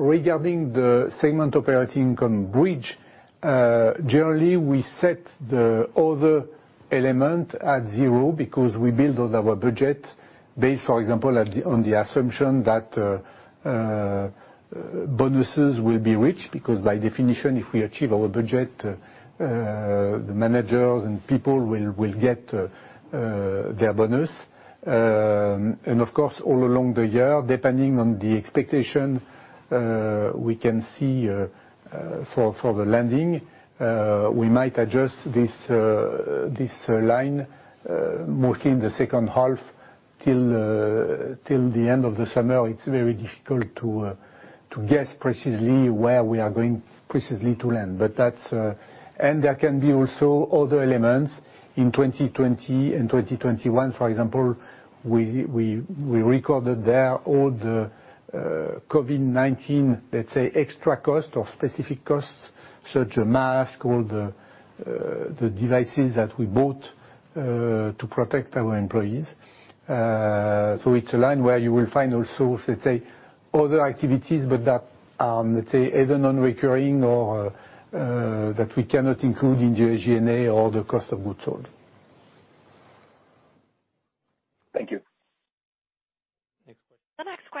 Regarding the segment operating income bridge, generally we set the other element at zero because we build on our budget based, for example, on the assumption that bonuses will be reached. Because by definition, if we achieve our budget, the managers and people will get their bonus. Of course, all along the year, depending on the expectation, we can see for the landing, we might adjust this line mostly in the second half till the end of the summer. It's very difficult to guess precisely where we are going precisely to land. But that's. There can be also other elements in 2020 and 2021, for example, we recorded there all the COVID-19, let's say, extra cost or specific costs, such as mask, all the devices that we bought to protect our employees. It's a line where you will find also, let's say, other activities, but that, let's say, either non-recurring or that we cannot include in the SG&A or the cost of goods sold.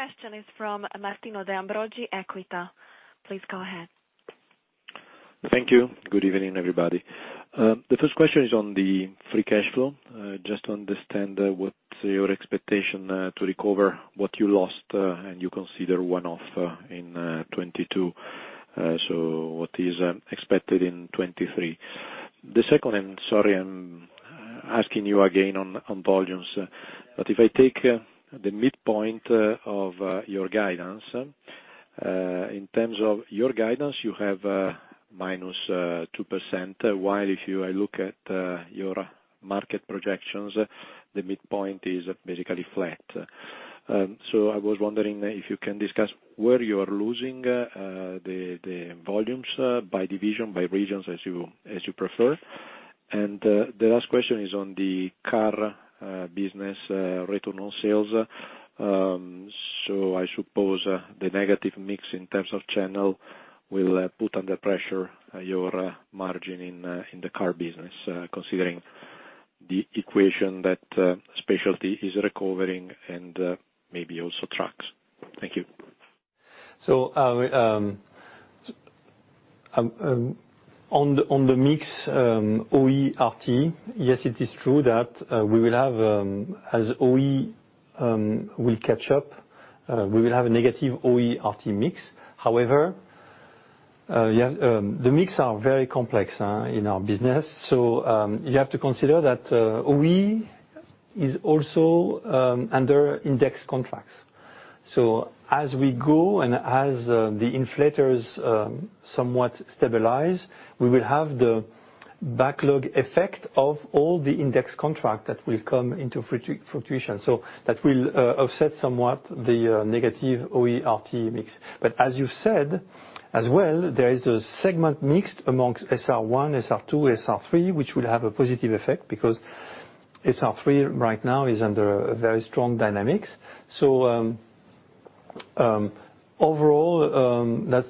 Thank you. Next question. The next question is from Martino de Ambrogi, Equita. Please go ahead. Thank you. Good evening, everybody. The first question is on the free cashflow. Just to understand what's your expectation to recover what you lost and you consider one-off in 2022. So what is expected in 2023? The second, sorry, I'm asking you again on volumes, but if I take the midpoint of your guidance, in terms of your guidance, you have minus 2%, while if I look at your market projections, the midpoint is basically flat. So I was wondering if you can discuss where you are losing the volumes by division, by regions, as you prefer. The last question is on the car business return on sales. I suppose the negative mix in terms of channel will put under pressure your margin in the car business, considering the equation that Specialty is recovering and maybe also trucks. Thank you. On the mix, OE, RT, yes, it is true that we will have as OE will catch up, we will have a negative OE, RT mix. However, yeah, the mix are very complex in our business, you have to consider that OE is also under index contracts. As we go and as the inflators somewhat stabilize, we will have the backlog effect of all the index contract that will come into fruition. That will offset somewhat the negative OE, RT mix. As you said, as well, there is a segment mix amongst SR1, SR2, SR3, which will have a positive effect because SR3 right now is under a very strong dynamics. Overall,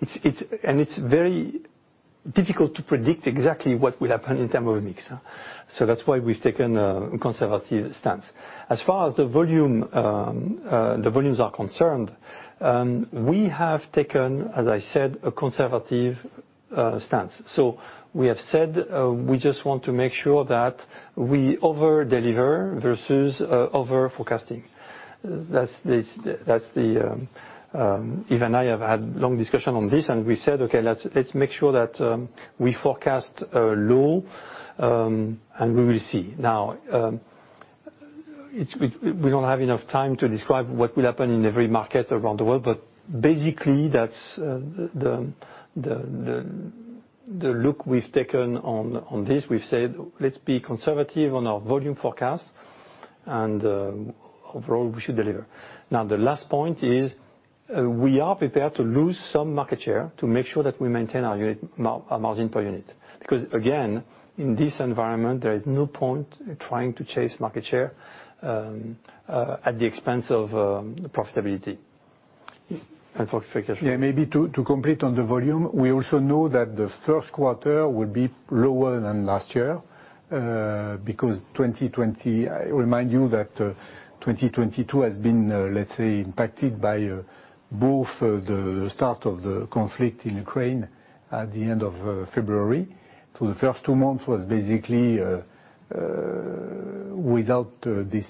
it's very difficult to predict exactly what will happen in term of a mix. That's why we've taken a conservative stance. As far as the volume, the volumes are concerned, we have taken, as I said, a conservative stance. We have said, we just want to make sure that we over-deliver versus over-forecasting. That's this, that's the. Yves and I have had long discussion on this, and we said, "Okay, let's make sure that we forecast low, and we will see." We don't have enough time to describe what will happen in every market around the world. Basically, that's the look we've taken on this. We've said, "Let's be conservative on our volume forecast, and overall, we should deliver." Now, the last point is, we are prepared to lose some market share to make sure that we maintain our unit, our margin per unit. Again, in this environment, there is no point in trying to chase market share at the expense of profitability. For free cashflow. Yeah, maybe to complete on the volume, we also know that the first quarter will be lower than last year, because 2020, I remind you that 2022 has been, let's say, impacted by both, the start of the conflict in Ukraine at the end of February. The first two months was basically without this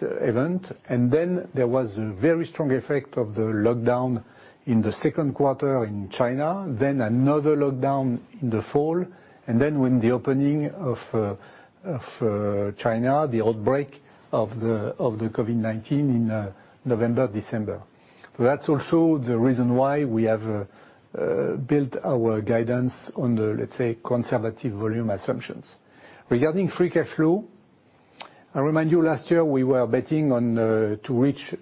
event. Then there was a very strong effect of the lockdown in the second quarter in China, then another lockdown in the fall, and then when the opening of China, the outbreak of the COVID-19 in November, December. That's also the reason why we have built our guidance on the, let's say, conservative volume assumptions. Regarding free cash flow, I remind you last year we were betting on to reach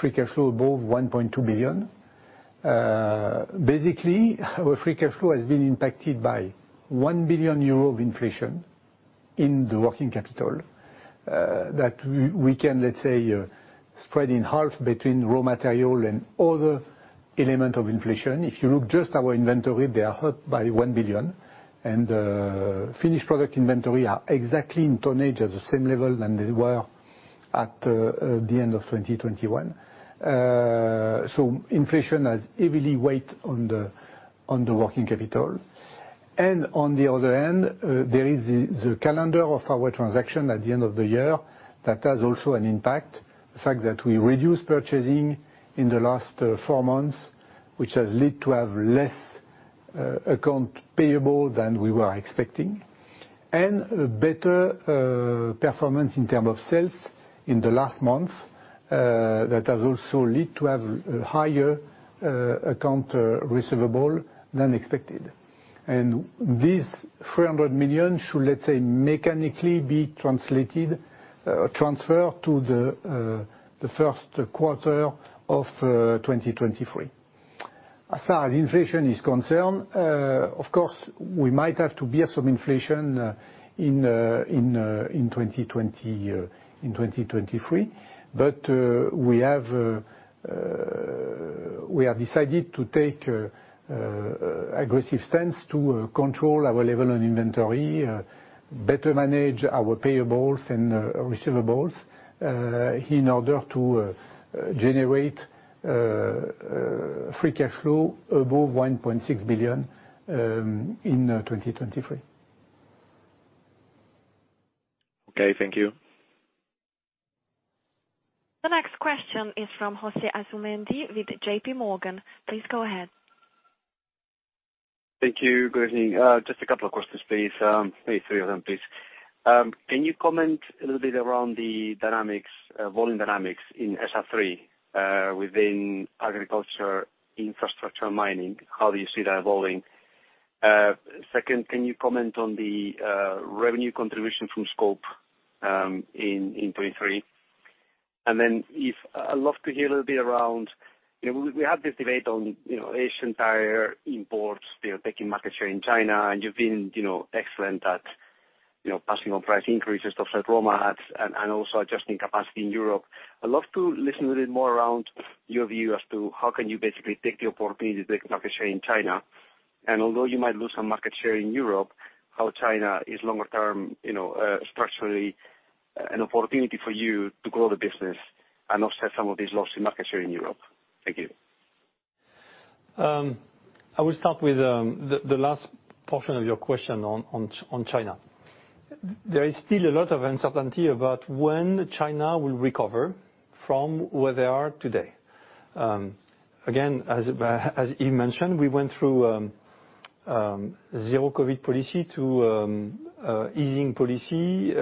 free cash flow above 1.2 billion. Basically, our free cash flow has been impacted by 1 billion euro of inflation in the working capital, that we can, let's say, spread in half between raw material and other element of inflation. If you look just our inventory, they are hurt by 1 billion. Finished product inventory are exactly in tonnage at the same level than they were at the end of 2021. Inflation has heavily weighed on the working capital. On the other end, there is the calendar of our transaction at the end of the year that has also an impact. The fact that we reduced purchasing in the last 4 months, which has led to have less account payable than we were expecting. Better performance in term of sales in the last month that has also led to have higher account receivable than expected. This 300 million should, let's say, mechanically be translated, transferred to the 1st quarter of 2023. As far as inflation is concerned, of course, we might have to bear some inflation in 2023, but we have decided to take aggressive stance to control our level on inventory, better manage our payables and receivables, in order to generate free cash flow above 1.6 billion, in 2023. Okay, thank you. The next question is from Jose Asumendi with JPMorgan. Please go ahead. Thank you. Good evening. Just a couple of questions, please. Maybe three of them, please. Can you comment a little bit around the dynamics, volume dynamics in SR3, within agriculture, infrastructure and mining? How do you see that evolving? Second, can you comment on the revenue contribution from scope in 23? I'd love to hear a little bit around, you know, we have this debate on, you know, Asian tire imports, they are taking market share in China, and you've been, you know, excellent at, you know, passing on price increases of said raw mats and also adjusting capacity in Europe. I'd love to listen a little more around your view as to how can you basically take the opportunity to take market share in China, and although you might lose some market share in Europe, how China is longer term, you know, structurally an opportunity for you to grow the business and offset some of these losses in market share in Europe. Thank you. I will start with the last portion of your question on China. There is still a lot of uncertainty about when China will recover from where they are today. Again, as Yves mentioned, we went through zero COVID-19 policy to easing policy,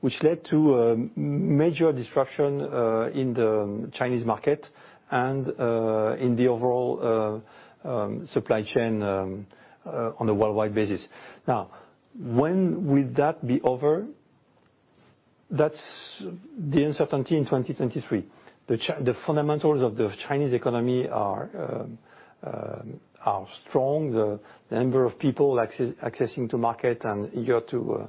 which led to major disruption in the Chinese market and in the overall supply chain on a worldwide basis. When will that be over? That's the uncertainty in 2023. The fundamentals of the Chinese economy are strong. The number of people accessing to market and eager to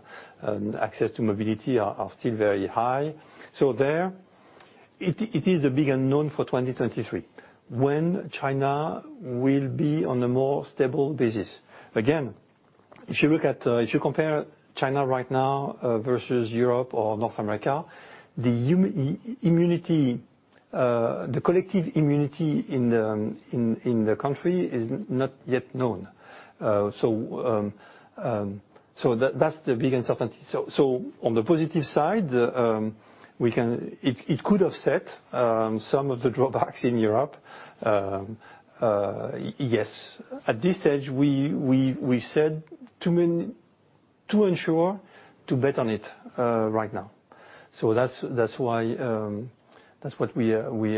access to mobility are still very high. There it is a big unknown for 2023, when China will be on a more stable basis. If you look at, if you compare China right now, versus Europe or North America, the immunity, the collective immunity in the country is not yet known. That's the big uncertainty. On the positive side, It could offset some of the drawbacks in Europe, yes. At this stage, we said to ensure to bet on it right now. That's why, that's what we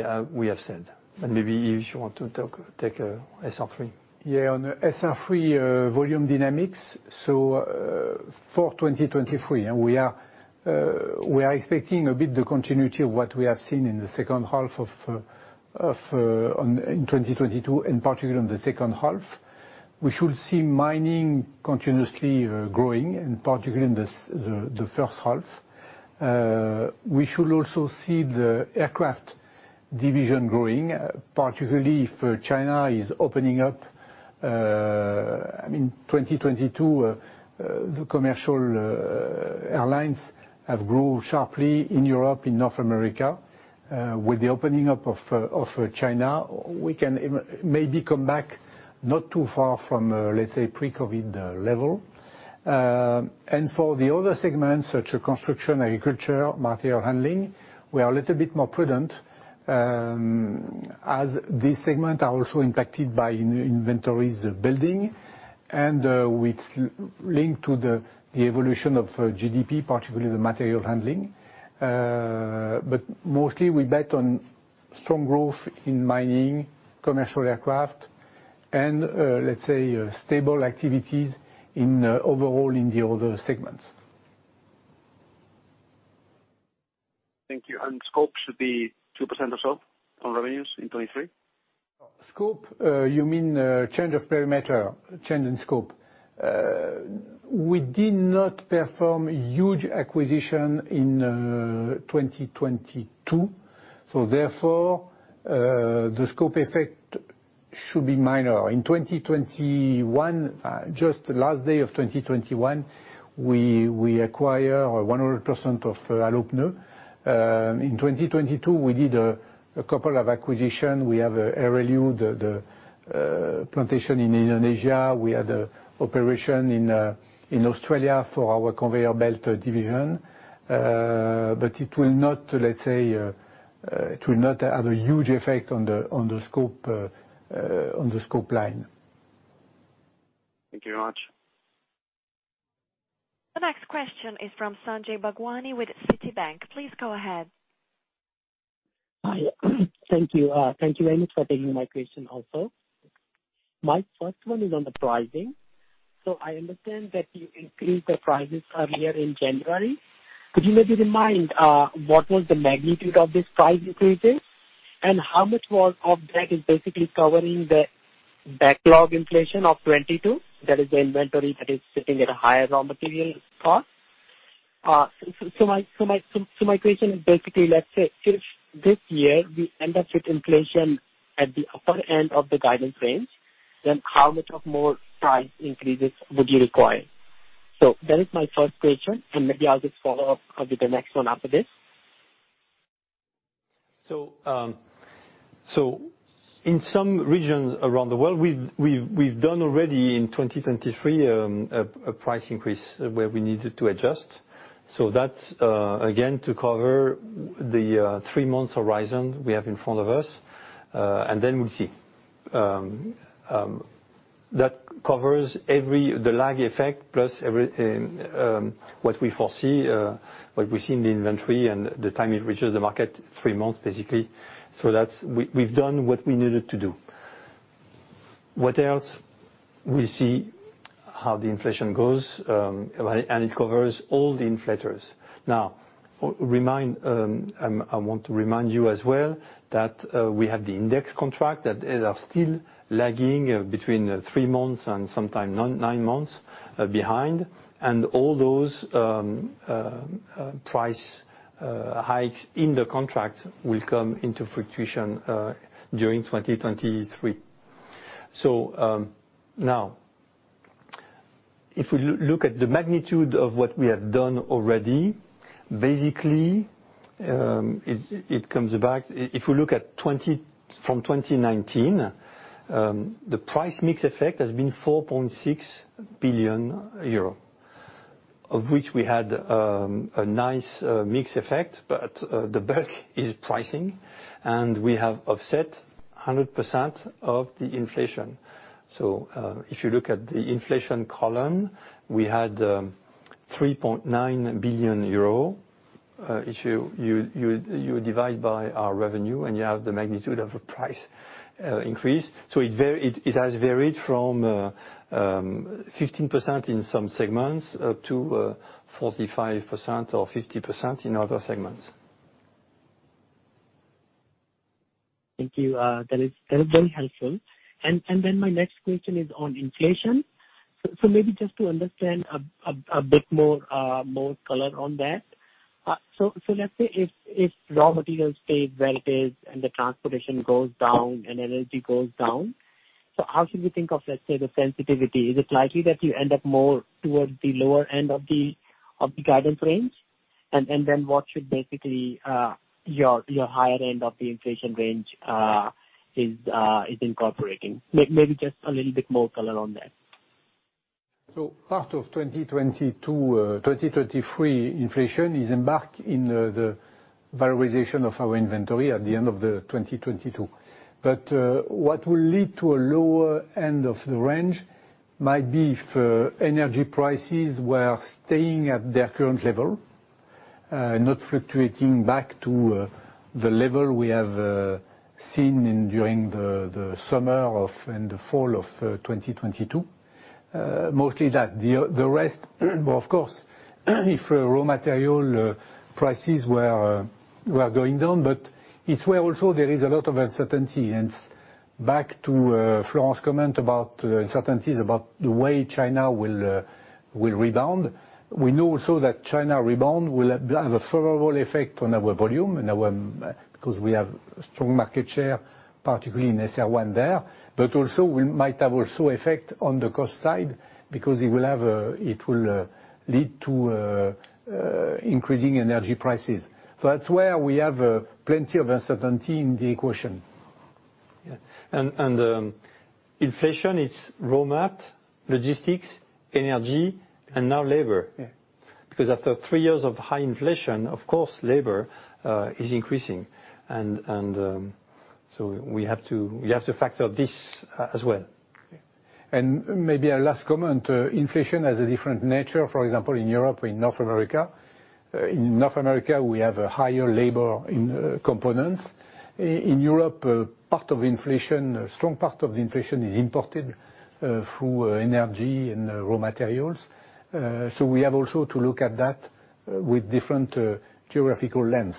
have said. Maybe, Yves, you want to talk, take SR3. Yeah, on SR3, volume dynamics. For 2023, we are expecting a bit the continuity of what we have seen in the second half of, on, in 2022, in particular in the second half. We should see mining continuously growing, and particularly in the first half. We should also see the aircraft division growing, particularly if China is opening up, I mean, 2022, the commercial airlines have grown sharply in Europe, in North America. With the opening up of China, we can maybe come back not too far from, let's say, pre-COVID level. For the other segments such as construction, agriculture, material handling, we are a little bit more prudent, as these segment are also impacted by inventories building. Which link to the evolution of GDP, particularly the material handling. Mostly we bet on strong growth in mining, commercial aircraft and, let's say, stable activities in overall in the other segments. Thank you. scope should be 2% or so on revenues in 2023? Scope, you mean, change of perimeter, change in scope? We did not perform huge acquisition in 2022, therefore, the scope effect should be minor. In 2021, just last day of 2021, we acquire 100% of Allopneus. In 2022, we did a couple of acquisition. We have RLU, the plantation in Indonesia. We had a operation in Australia for our conveyor belt division. It will not, let's say, it will not have a huge effect on the, on the scope, on the scope line. Thank you very much. The next question is from Sanjay Bhagwani with Citi, please go ahead. Hi. Thank you. Thank you very much for taking my question also. My first one is on the pricing. I understand that you increased the prices earlier in January. Could you maybe remind what was the magnitude of this price increases? How much was of that is basically covering the backlog inflation of 2022? That is the inventory that is sitting at a higher raw material cost. My question is basically, let's say if this year we end up with inflation at the upper end of the guidance range, then how much of more price increases would you require? That is my first question, Maybe I'll just follow up with the next one after this. In some regions around the world, we've done already in 2023 a price increase where we needed to adjust. That's again to cover the three months horizon we have in front of us. We'll see. That covers every the lag effect plus every what we foresee, what we see in the inventory and the time it reaches the market, three months, basically. We've done what we needed to do. What else? We see how the inflation goes, it covers all the inflators. I want to remind you as well that we have the index contract that are still lagging between three months and sometime nine months behind. All those price hikes in the contract will come into fruition during 2023. Now, if we look at the magnitude of what we have done already, basically, it comes back. If we look from 2019, the price mix effect has been 4.6 billion euro, of which we had a nice mix effect, but the bulk is pricing, and we have offset 100% of the inflation. If you look at the inflation column, we had 3.9 billion euro. If you divide by our revenue and you have the magnitude of a price increase. It has varied from 15% in some segments up to 45% or 50% in other segments. Thank you. That is very helpful. Then my next question is on inflation. Maybe just to understand a bit more color on that. Let's say if raw materials stay where it is and the transportation goes down and energy goes down, so how should we think of, let's say, the sensitivity? Is it likely that you end up more towards the lower end of the guidance range? Then what should basically your higher end of the inflation range is incorporating? Maybe just a little bit more color on that. Part of 2022, 2023 inflation is embarked in the valorization of our inventory at the end of 2022. What will lead to a lower end of the range might be if energy prices were staying at their current level, not fluctuating back to the level we have seen during the summer and fall of 2022. Mostly that. The rest, well, of course, if raw material prices were going down, but it's where also there is a lot of uncertainty. Back to Florence comment about the uncertainties about the way China will rebound. We know also that China rebound will have a favorable effect on our volume and our... we have strong market share, particularly in SR1 there, but also will, might have also effect on the cost side because it will lead to increasing energy prices. that's where we have plenty of uncertainty in the equation. Yes. Inflation is raw material, logistics, energy, and now labor. Yeah. After three years of high inflation, of course, labor is increasing. We have to factor this as well. Maybe a last comment. Inflation has a different nature, for example, in Europe or in North America. In North America, we have a higher labor, in components. In Europe, part of inflation, a strong part of the inflation is imported through energy and raw materials. We have also to look at that with different geographical lens.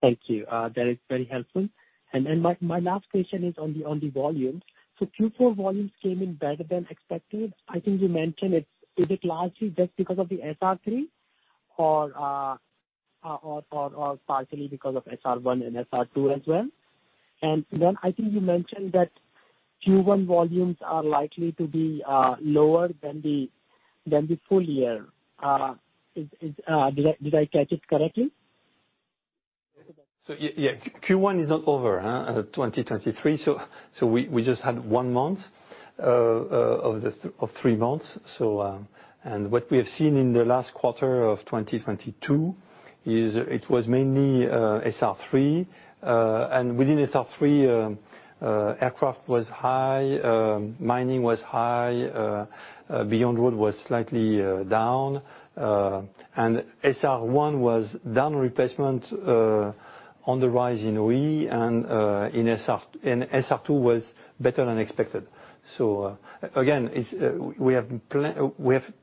Thank you. That is very helpful. My last question is on the volumes. Q4 volumes came in better than expected. I think you mentioned it. Is it largely just because of the SR3 or partially because of SR1 and SR2 as well? I think you mentioned that Q1 volumes are likely to be lower than the full year. Did I catch it correctly? Q1 is not over, 2023. We just had one month of three months. What we have seen in the last quarter of 2022 is it was mainly SR3. Within SR3, aircraft was high, mining was high, Beyond Road was slightly down. SR1 was down replacement, on the rise in OE and in SR, and SR2 was better than expected. Again, it's, we have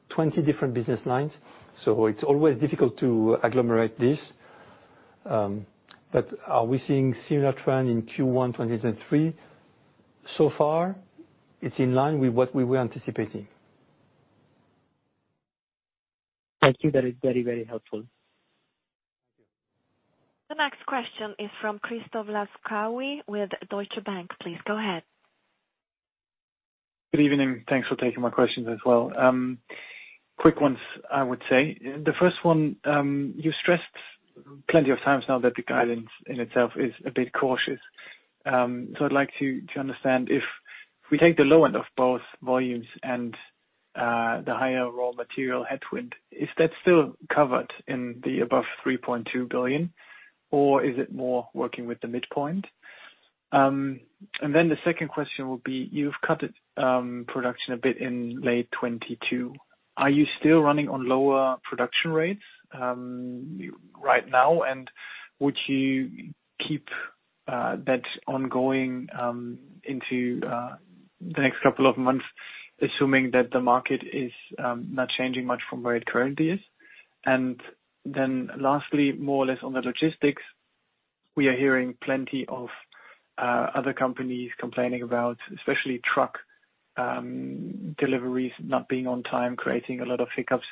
20 different business lines, so it's always difficult to agglomerate this. Are we seeing similar trend in Q1 2023? So far, it's in line with what we were anticipating. Thank you. That is very, very helpful. Thank you. The next question is from Christoph Laskawi with Deutsche Bank. Please go ahead. Good evening. Thanks for taking my questions as well. Quick ones, I would say. The first one, you've stressed plenty of times now that the guidance in itself is a bit cautious. So I'd like to understand if we take the low end of both volumes and the higher raw material headwind, is that still covered in the above 3.2 billion, or is it more working with the midpoint? The second question would be, you've cut production a bit in late 2022. Are you still running on lower production rates right now? Would you keep that ongoing into the next couple of months, assuming that the market is not changing much from where it currently is? Lastly, more or less on the logistics, we are hearing plenty of other companies complaining about especially truck deliveries not being on time, creating a lot of hiccups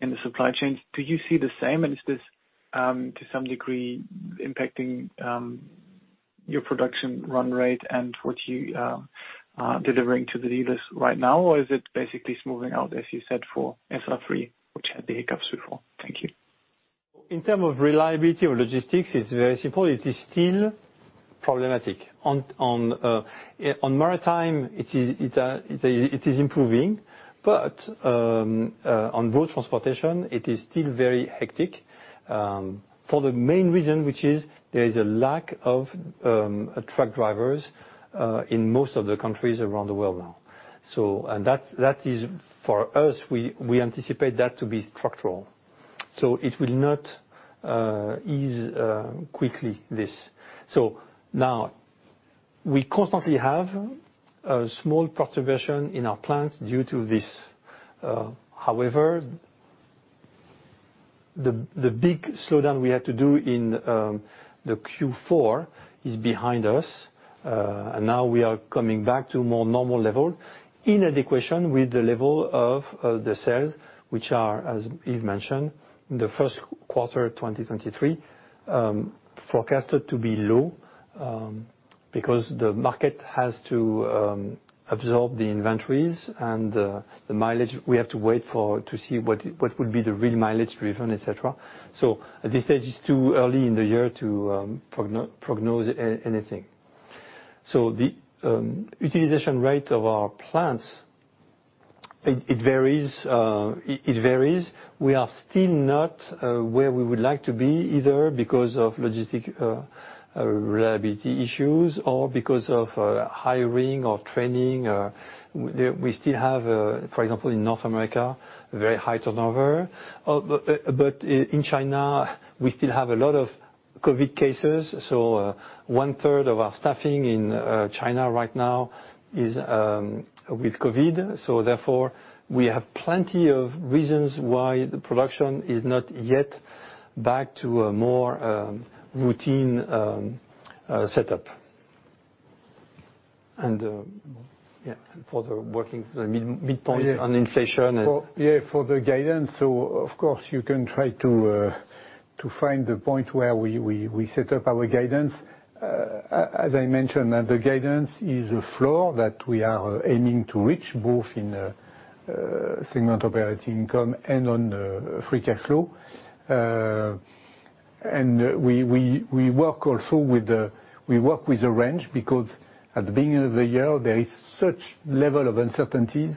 in the supply chains. Do you see the same, and is this to some degree impacting your production run rate and what you delivering to the dealers right now, or is it basically smoothing out, as you said, for SR3, which had the hiccups before? Thank you. In term of reliability or logistics, it's very simple. It is still problematic. On maritime, it is improving, but on road transportation, it is still very hectic, for the main reason which is there is a lack of truck drivers in most of the countries around the world now. That is, for us, we anticipate that to be structural. It will not ease quickly, this. Now we constantly have a small perturbation in our plans due to this. The big slowdown we had to do in the Q4 is behind us. Now we are coming back to more normal level in adequation with the level of the sales, which are, as Yves mentioned, the first quarter 2023, forecasted to be low, because the market has to absorb the inventories and the mileage. We have to wait for, to see what would be the real mileage driven, et cetera. At this stage, it's too early in the year to prognose anything. The utilization rate of our plants, it varies, it varies. We are still not where we would like to be, either because of logistic reliability issues or because of hiring or training or... We still have, for example, in North America, very high turnover. In China, we still have a lot of COVID cases. One third of our staffing in China right now is with COVID. We have plenty of reasons why the production is not yet back to a more routine setup. Yeah, for the working, the midpoint on inflation is- Yeah, for the guidance, so of course, you can try to find the point where we set up our guidance. We work also with a range, because at the beginning of the year, there is such level of uncertainties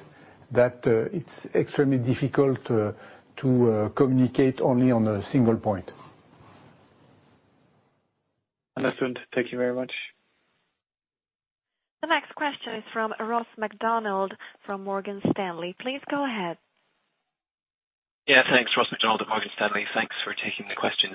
that it's extremely difficult to communicate only on a single point. Understood. Thank you very much. The next question is from Ross MacDonald from Morgan Stanley. Please go ahead. Thanks. Ross MacDonald, Morgan Stanley. Thanks for taking the questions.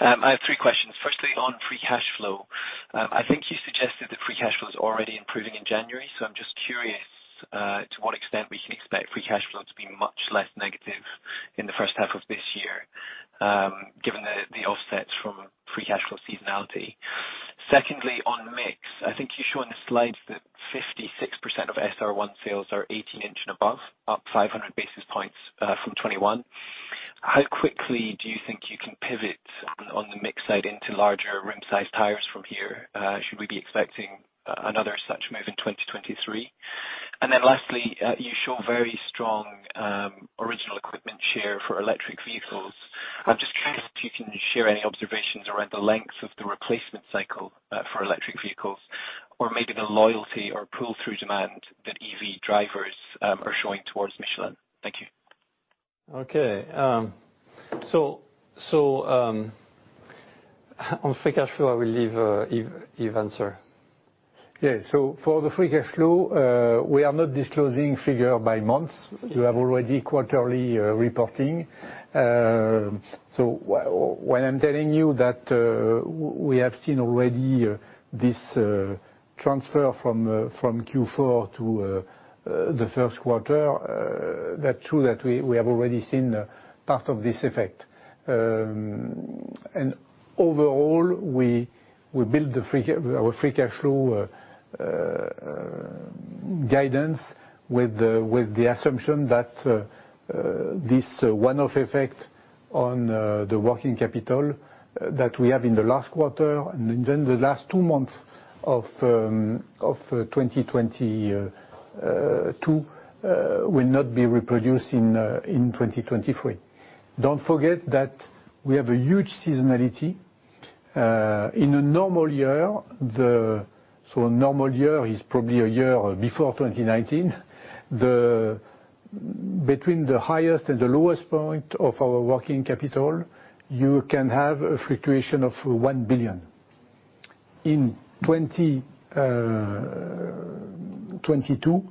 I have three questions. Firstly, on free cash flow, I think you suggested the free cash flow is already improving in January, so I'm just curious to what extent we can expect free cash flow to be much less negative in the first half of this year, given the offsets from free cash flow seasonality. Secondly, on mix, I think you show in the slides that 56% of SR1 sales are 18-inch and above, up 500 basis points from 2021. How quickly do you think you can pivot on the mix side into larger rim size tires from here? Should we be expecting another such move in 2023? Lastly, you show very strong original equipment share for electric vehicles. I'm just curious if you can share any observations around the length of the replacement cycle, for electric vehicles, or maybe the loyalty or pull-through demand that EV drivers are showing towards Michelin? Thank you. On free cash flow, I will leave, Yves answer. Yeah. For the free cash flow, we are not disclosing figure by months. You have already quarterly reporting. When I'm telling you that, we have seen already this transfer from Q4 to the first quarter, that's true that we have already seen part of this effect. Overall, we build our free cash flow guidance with the assumption that this one-off effect on the working capital that we have in the last quarter, and then the last two months of 2022, will not be reproduced in 2023. Don't forget that we have a huge seasonality. In a normal year, so a normal year is probably a year before 2019. Between the highest and the lowest point of our working capital, you can have a fluctuation of 1 billion. In 2022,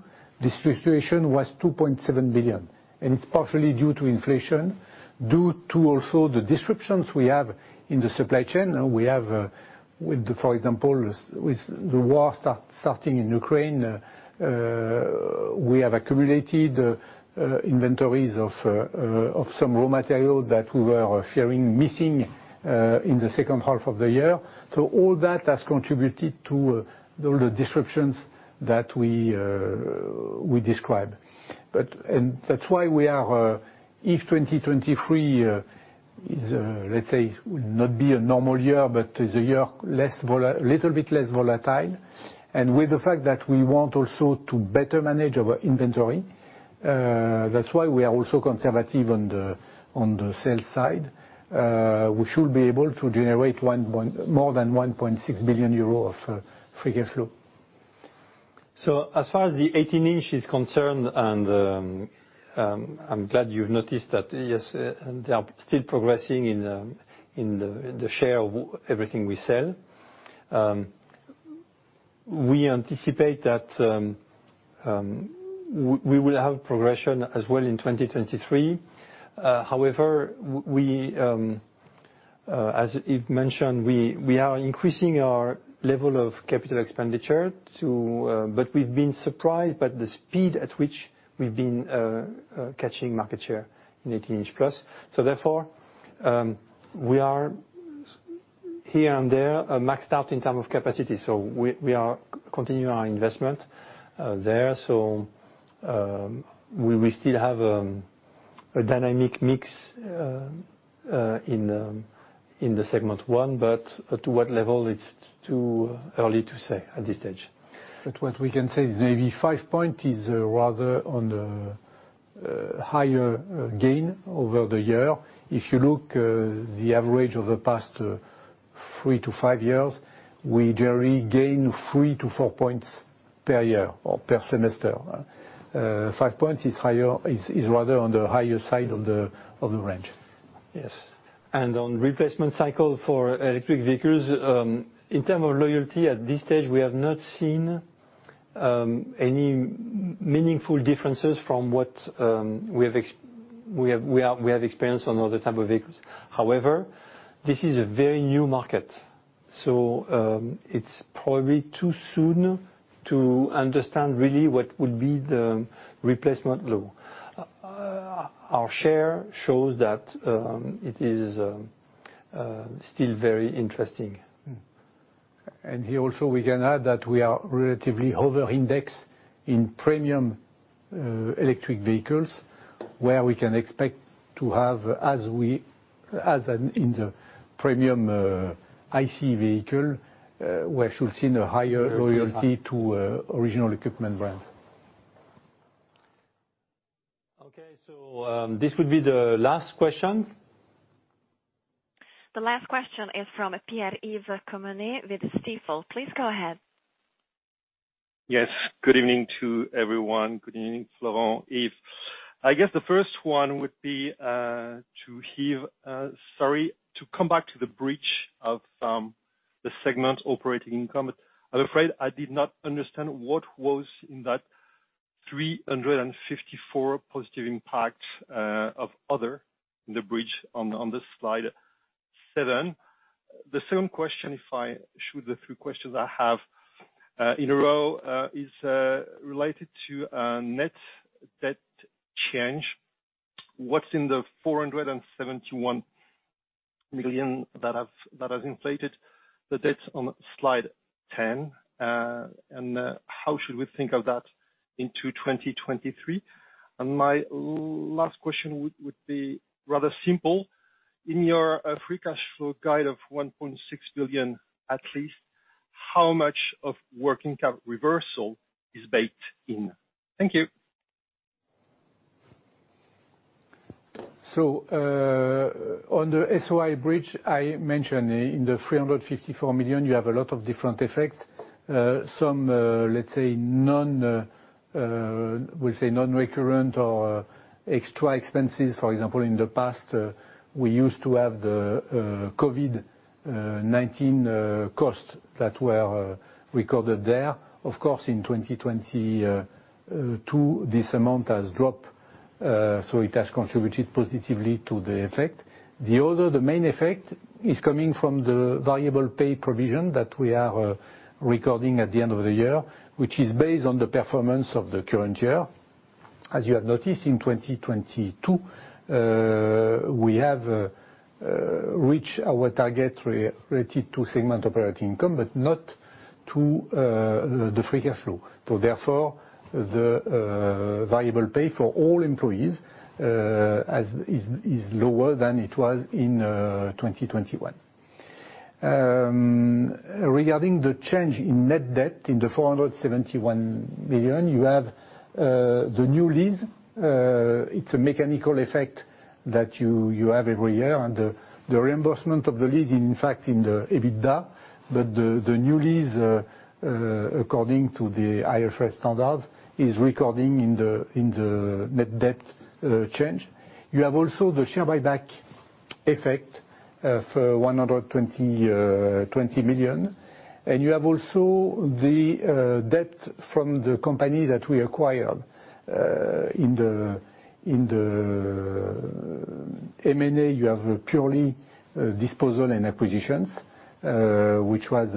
this fluctuation was 2.7 billion, and it's partially due to inflation, due to also the disruptions we have in the supply chain. We have, with, for example, with the war starting in Ukraine, we have accumulated inventories of some raw material that we were fearing missing in the second half of the year. All that has contributed to all the disruptions that we describe. And that's why we are, if 2023 is, let's say, will not be a normal year, but is a year little bit less volatile, and with the fact that we want also to better manage our inventory, that's why we are also conservative on the, on the sales side. We should be able to generate more than 1.6 billion euro of free cash flow. As far as the 18-inch is concerned, and I'm glad you've noticed that, yes, they are still progressing in the share of everything we sell. We anticipate that we will have progression as well in 2023. However, we as Yves mentioned, we are increasing our level of capital expenditure, but we've been surprised by the speed at which we've been catching market share in 18-inch+. Therefore, we are here and there maxed out in terms of capacity. We are continuing our investment there. We will still have a dynamic mix in the segment 1, but to what level, it's too early to say at this stage. What we can say is maybe 5 points is rather on the higher gain over the year. If you look the average over the past three to five years, we generally gain 3-4 points per year or per semester. 5 points is higher, is rather on the higher side of the range. Yes. On replacement cycle for electric vehicles, in term of loyalty, at this stage, we have not seen any meaningful differences from what we have experienced on other type of vehicles. However, this is a very new market, so, it's probably too soon to understand really what will be the replacement low. Our share shows that it is still very interesting. Here also we can add that we are relatively over index in premium electric vehicles, where we can expect to have, as in the premium IC vehicle, we should see the higher loyalty to original equipment brands. This will be the last question. The last question is from Pierre-Yves Quemener with Stifel. Please go ahead. Good evening to everyone. Good evening, Florent, Yves. I guess the first one would be to Yves, sorry, to come back to the breach of the segment operating income. I'm afraid I did not understand what was in that 354 million positive impact of other, the breach on slide seven. The second question, if I shoot the three questions I have in a row, is related to net debt change. What's in the 471 million that have, that has inflated the debts on slide 10, and how should we think of that into 2023? My last question would be rather simple. In your free cash flow guide of 1.6 billion, at least, how much of working capital reversal is baked in? Thank you. On the SOI bridge, I mentioned in the 354 million, you have a lot of different effects. Some, let's say non-recurrent or extra expenses. For example, in the past, we used to have the COVID-19 cost that were recorded there. Of course, in 2022, this amount has dropped, so it has contributed positively to the effect. The other, the main effect is coming from the variable pay provision that we are recording at the end of the year, which is based on the performance of the current year. As you have noticed, in 2022, we have reached our target related to segment operating income, but not to the free cash flow. Therefore, the variable pay for all employees, as is lower than it was in 2021. Regarding the change in net debt in the 471 million, you have the new lease. It's a mechanical effect that you have every year. The reimbursement of the lease, in fact, in the EBITDA, the new lease, according to the IFRS standards, is recording in the net debt change. You have also the share buyback effect for 120 million. You have also the debt from the company that we acquired. In the M&A, you have purely disposal and acquisitions, which was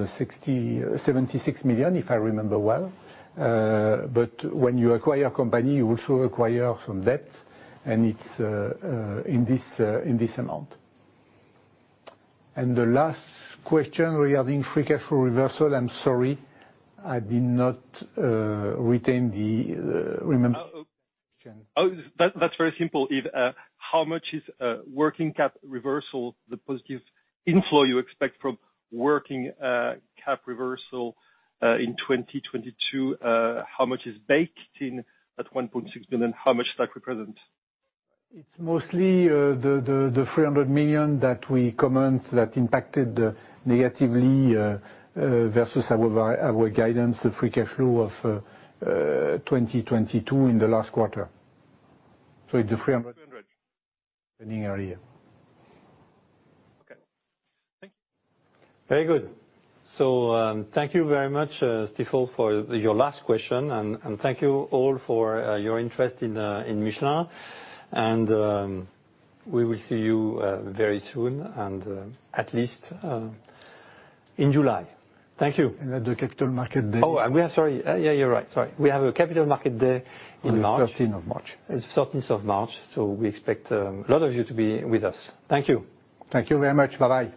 76 million, if I remember well. When you acquire company, you also acquire some debt, and it's in this amount. The last question regarding free cash flow reversal, I'm sorry, I did not retain the. That's very simple, Yves. How much is working cap reversal, the positive inflow you expect from working cap reversal in 2022? How much is baked in that 1.6 billion? How much is that represent? It's mostly the 300 million that we comment that impacted negatively versus our guidance, the free cash flow of 2022 in the last quarter. 300 million. earlier. Okay. Thank you. Very good. Thank you very much, Stifel, for your last question. Thank you all for your interest in Michelin. We will see you very soon, and at least in July. Thank you. We have the capital market day. Sorry. Yeah, you're right. Sorry. We have a capital market day in March. On the 13th of March. It's 13th of March. We expect a lot of you to be with us. Thank you. Thank you very much. Bye-bye.